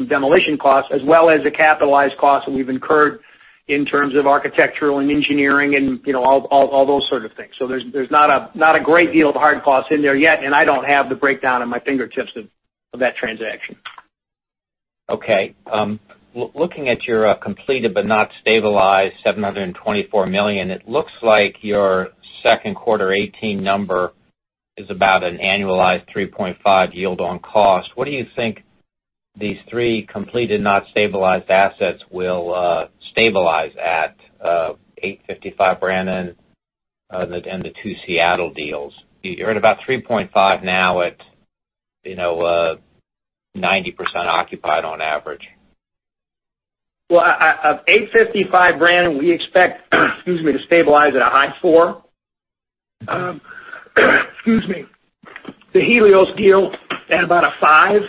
demolition costs, as well as the capitalized costs that we've incurred in terms of architectural and engineering and all those sort of things. There's not a great deal of hard costs in there yet, and I don't have the breakdown on my fingertips of that transaction. Okay. Looking at your completed but not stabilized $724 million, it looks like your second quarter 2018 number is about an annualized 3.5% yield on cost. What do you think these three completed not stabilized assets will stabilize at, 855 Brannan and the two Seattle deals? You're at about 3.5% now at 90% occupied on average. Well, 855 Brannan, we expect to stabilize at a high 4%. Excuse me. The Helios deal at about a 5%,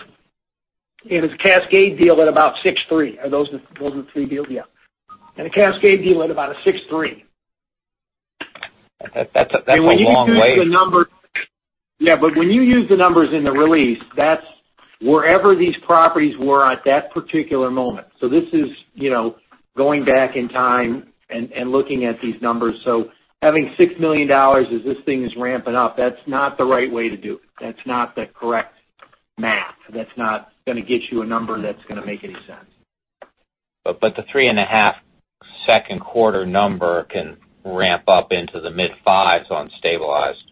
and the Cascade deal at about 6.3%. Are those the three deals? Yeah. The Cascade deal at about a 6.3%. That's a long way. Yeah, when you use the numbers in the release, that's wherever these properties were at that particular moment. This is going back in time and looking at these numbers. Having $6 million as this thing is ramping up, that's not the right way to do it. That's not the correct math. That's not going to get you a number that's going to make any sense. The three-and-a-half second quarter number can ramp up into the mid fives on stabilized.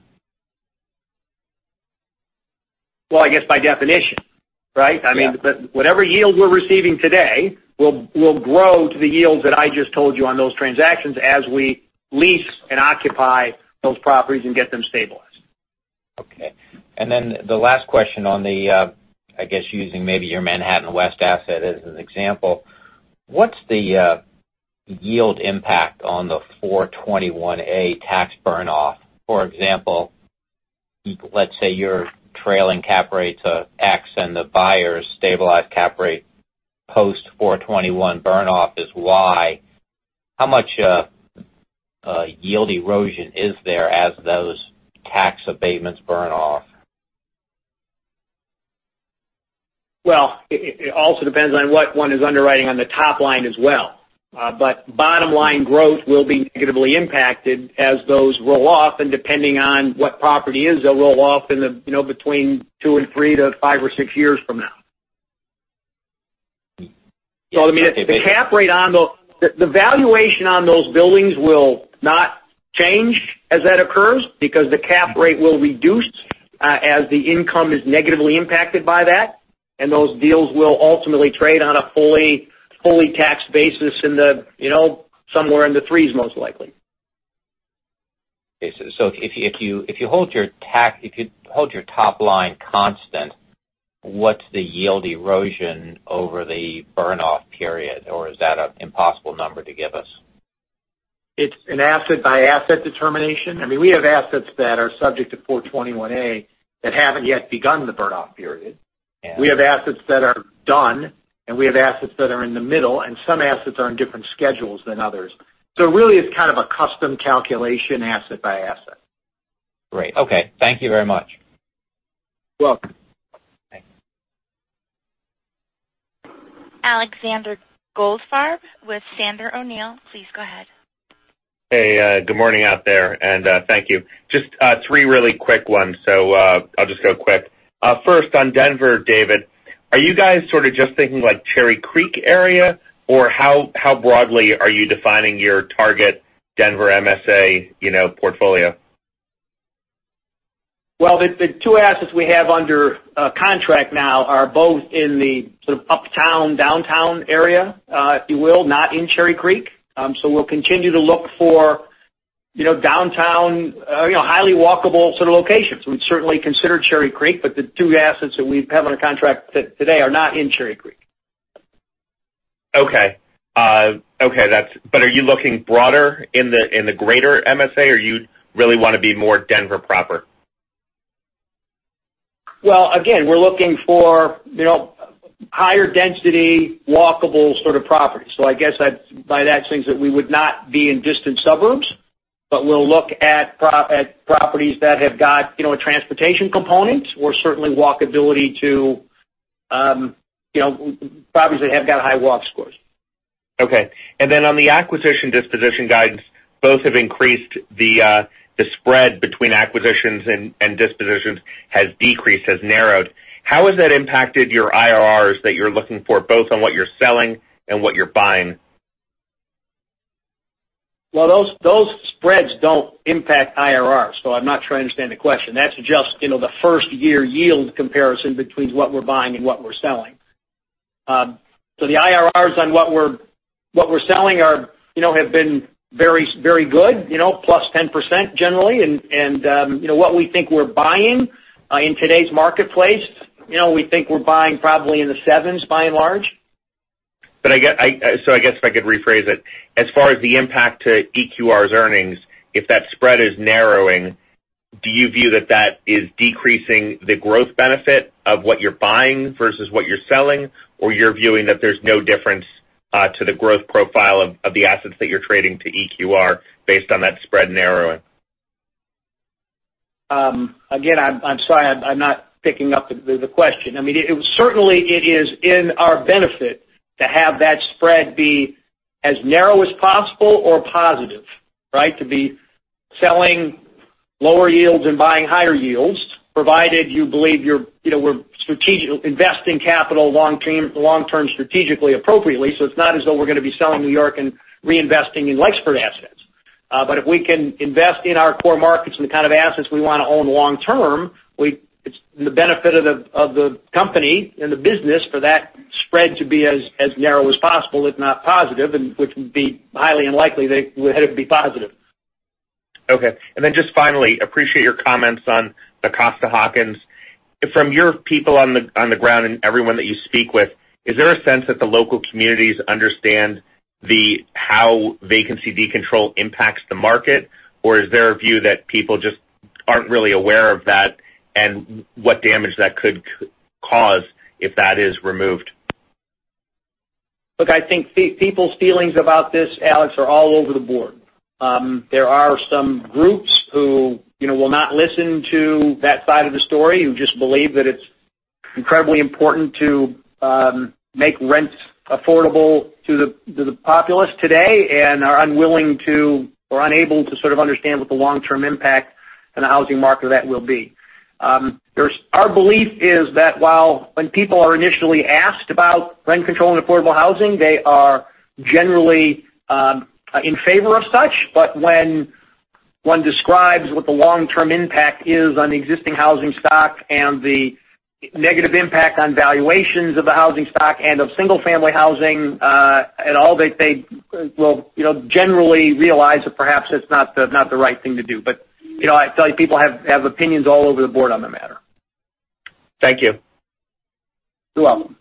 Well, I guess by definition, right? Yeah. Whatever yield we're receiving today will grow to the yields that I just told you on those transactions as we lease and occupy those properties and get them stabilized. Okay. The last question on the, I guess, using maybe your Manhattan West asset as an example, what's the yield impact on the 421-a tax burn off? For example, let's say your trailing cap rate to X and the buyer's stabilized cap rate post-421-a burn off is Y. How much yield erosion is there as those tax abatements burn off? Well, it also depends on what one is underwriting on the top line as well. Bottom-line growth will be negatively impacted as those roll off, and depending on what property is, they'll roll off in between two and three to five or six years from now. Yeah. I mean, the valuation on those buildings will not change as that occurs because the cap rate will reduce as the income is negatively impacted by that. Those deals will ultimately trade on a fully taxed basis somewhere in the threes, most likely. If you hold your top line constant, what's the yield erosion over the burn-off period? Is that an impossible number to give us? It's an asset-by-asset determination. We have assets that are subject to 421-a that haven't yet begun the burn-off period. Yeah. We have assets that are done, and we have assets that are in the middle, and some assets are on different schedules than others. Really, it's kind of a custom calculation asset by asset. Great. Okay. Thank you very much. You're welcome. Thanks. Alexander Goldfarb with Sandler O'Neill, please go ahead. Hey, good morning out there, and thank you. Just three really quick ones. I'll just go quick. First, on Denver, David, are you guys sort of just thinking Cherry Creek area, or how broadly are you defining your target Denver MSA portfolio? Well, the two assets we have under contract now are both in the sort of uptown-downtown area, if you will, not in Cherry Creek. We'll continue to look for downtown, highly walkable sort of locations. We'd certainly consider Cherry Creek. The two assets that we have under contract today are not in Cherry Creek. Okay. Are you looking broader in the greater MSA, or you really want to be more Denver proper? Well, again, we're looking for higher-density, walkable sort of properties. I guess by that seems that we would not be in distant suburbs, but we'll look at properties that have got a transportation component or certainly walkability to properties that have got high Walk Scores. Okay. Then on the acquisition disposition guidance, both have increased the spread between acquisitions and dispositions has decreased, has narrowed. How has that impacted your IRRs that you're looking for, both on what you're selling and what you're buying? Well, those spreads don't impact IRRs, I'm not sure I understand the question. That's just the first-year yield comparison between what we're buying and what we're selling. The IRRs on what we're selling have been very good, plus 10% generally. What we think we're buying in today's marketplace, we think we're buying probably in the sevens, by and large. I guess if I could rephrase it, as far as the impact to EQR's earnings, if that spread is narrowing, do you view that that is decreasing the growth benefit of what you're buying versus what you're selling, or you're viewing that there's no difference to the growth profile of the assets that you're trading to EQR based on that spread narrowing? Again, I'm sorry, I'm not picking up the question. Certainly, it is in our benefit to have that spread be as narrow as possible or positive, right? To be selling lower yields and buying higher yields, provided you believe we're investing capital long-term strategically, appropriately. It's not as though we're going to be selling New York and reinvesting in Williamsburg assets. If we can invest in our core markets and the kind of assets we want to own long term, it's in the benefit of the company and the business for that spread to be as narrow as possible, if not positive, and which would be highly unlikely that it would be positive. Okay. Just finally, appreciate your comments on the Costa-Hawkins. From your people on the ground and everyone that you speak with, is there a sense that the local communities understand how vacancy decontrol impacts the market, or is there a view that people just aren't really aware of that and what damage that could cause if that is removed? Look, I think people's feelings about this, Alex, are all over the board. There are some groups who will not listen to that side of the story, who just believe that it's incredibly important to make rents affordable to the populace today and are unwilling to or unable to sort of understand what the long-term impact on the housing market that will be. Our belief is that while when people are initially asked about rent control and affordable housing, they are generally in favor of such. When one describes what the long-term impact is on the existing housing stock and the negative impact on valuations of the housing stock and of single-family housing at all, they will generally realize that perhaps it's not the right thing to do. I tell you, people have opinions all over the board on the matter. Thank you. You're welcome.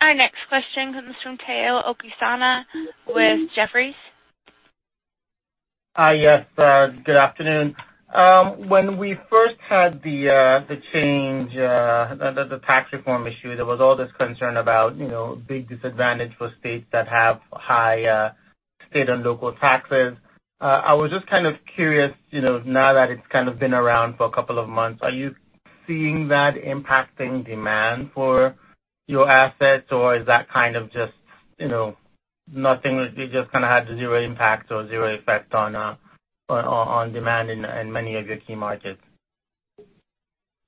Our next question comes from Omotayo Okusanya with Jefferies. Hi, yes. Good afternoon. When we first had the change, the tax reform issue, there was all this concern about big disadvantage for states that have high state and local taxes. I was just kind of curious, now that it's kind of been around for a couple of months, are you seeing that impacting demand for your assets, or is that kind of just nothing, it just kind of had zero impact or zero effect on demand in many of your key markets?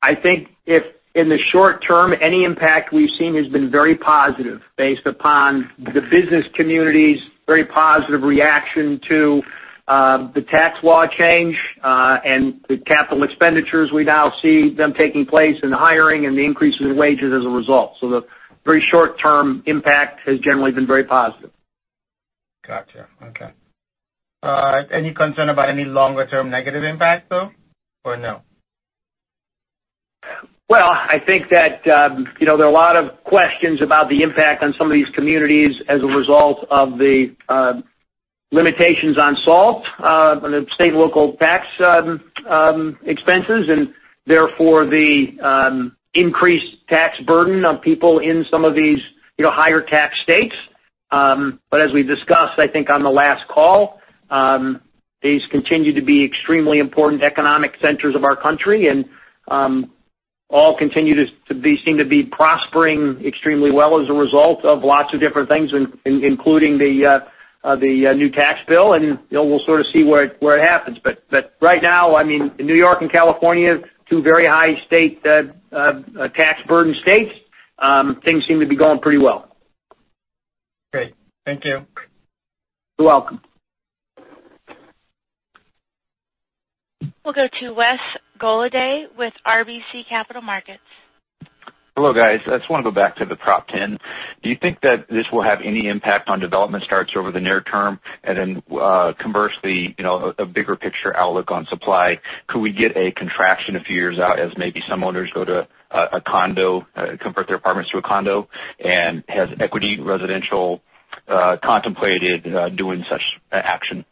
I think if in the short term, any impact we've seen has been very positive based upon the business community's very positive reaction to the tax law change, and the capital expenditures, we now see them taking place in the hiring and the increase in wages as a result. The very short-term impact has generally been very positive. Gotcha. Okay. Any concern about any longer-term negative impact, though? No? Well, I think that there are a lot of questions about the impact on some of these communities as a result of the limitations on SALT, on the state and local tax expenses, and therefore, the increased tax burden on people in some of these higher tax states. As we've discussed, I think on the last call, these continue to be extremely important economic centers of our country, all continue to seem to be prospering extremely well as a result of lots of different things, including the new tax bill, we'll sort of see where it happens. Right now, I mean, New York and California, two very high state, tax burden states, things seem to be going pretty well. Great. Thank you. You're welcome. We'll go to Wes Golladay with RBC Capital Markets. Hello, guys. I just want to go back to the Prop 10. Do you think that this will have any impact on development starts over the near term? Then, conversely, a bigger picture outlook on supply. Could we get a contraction a few years out as maybe some owners go to a condo, convert their apartments to a condo? Has Equity Residential contemplated doing such action?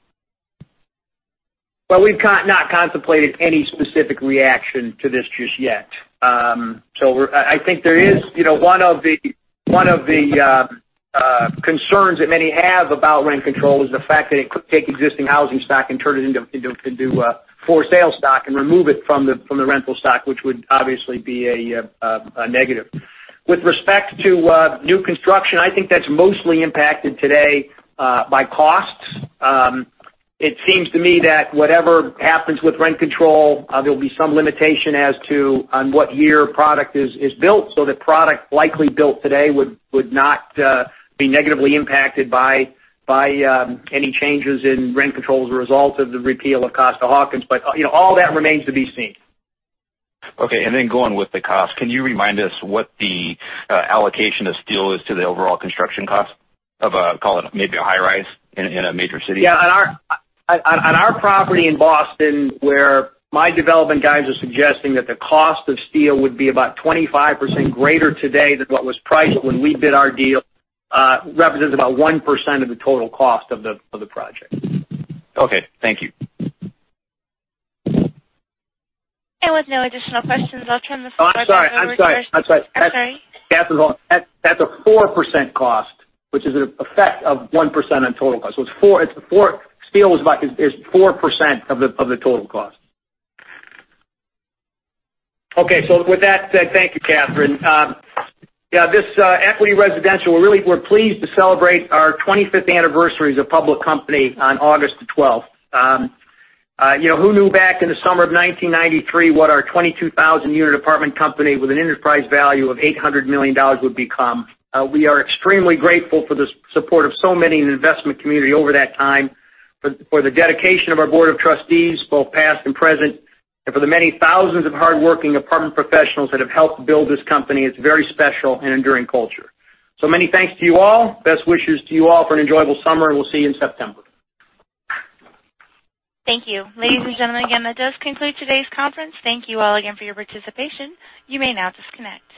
Well, we've not contemplated any specific reaction to this just yet. I think there is One of the concerns that many have about rent control is the fact that it could take existing housing stock and turn it into for sale stock and remove it from the rental stock, which would obviously be a negative. With respect to new construction, I think that's mostly impacted today by costs. It seems to me that whatever happens with rent control, there'll be some limitation as to on what year product is built, so that product likely built today would not be negatively impacted by any changes in rent control as a result of the repeal of Costa-Hawkins. All that remains to be seen. Okay, going with the cost, can you remind us what the allocation of steel is to the overall construction cost of a, call it maybe a high rise in a major city? Yeah. On our property in Boston, where my development guys are suggesting that the cost of steel would be about 25% greater today than what was priced when we bid our deal, represents about 1% of the total cost of the project. Okay. Thank you. With no additional questions, I'll turn this- Oh, I'm sorry. I'm sorry. That's a 4% cost, which is an effect of 1% on total cost. Steel is 4% of the total cost. Okay. With that said, thank you, Catherine. Yeah, this is Equity Residential. We're pleased to celebrate our 25th anniversary as a public company on August the 12th. Who knew back in the summer of 1993 what our 22,000-unit apartment company with an enterprise value of $800 million would become? We are extremely grateful for the support of so many in the investment community over that time, for the dedication of our board of trustees, both past and present, and for the many thousands of hardworking apartment professionals that have helped build this company. It's very special and enduring culture. Many thanks to you all. Best wishes to you all for an enjoyable summer, and we'll see you in September. Thank you. Ladies and gentlemen, again, that does conclude today's conference. Thank you all again for your participation. You may now disconnect.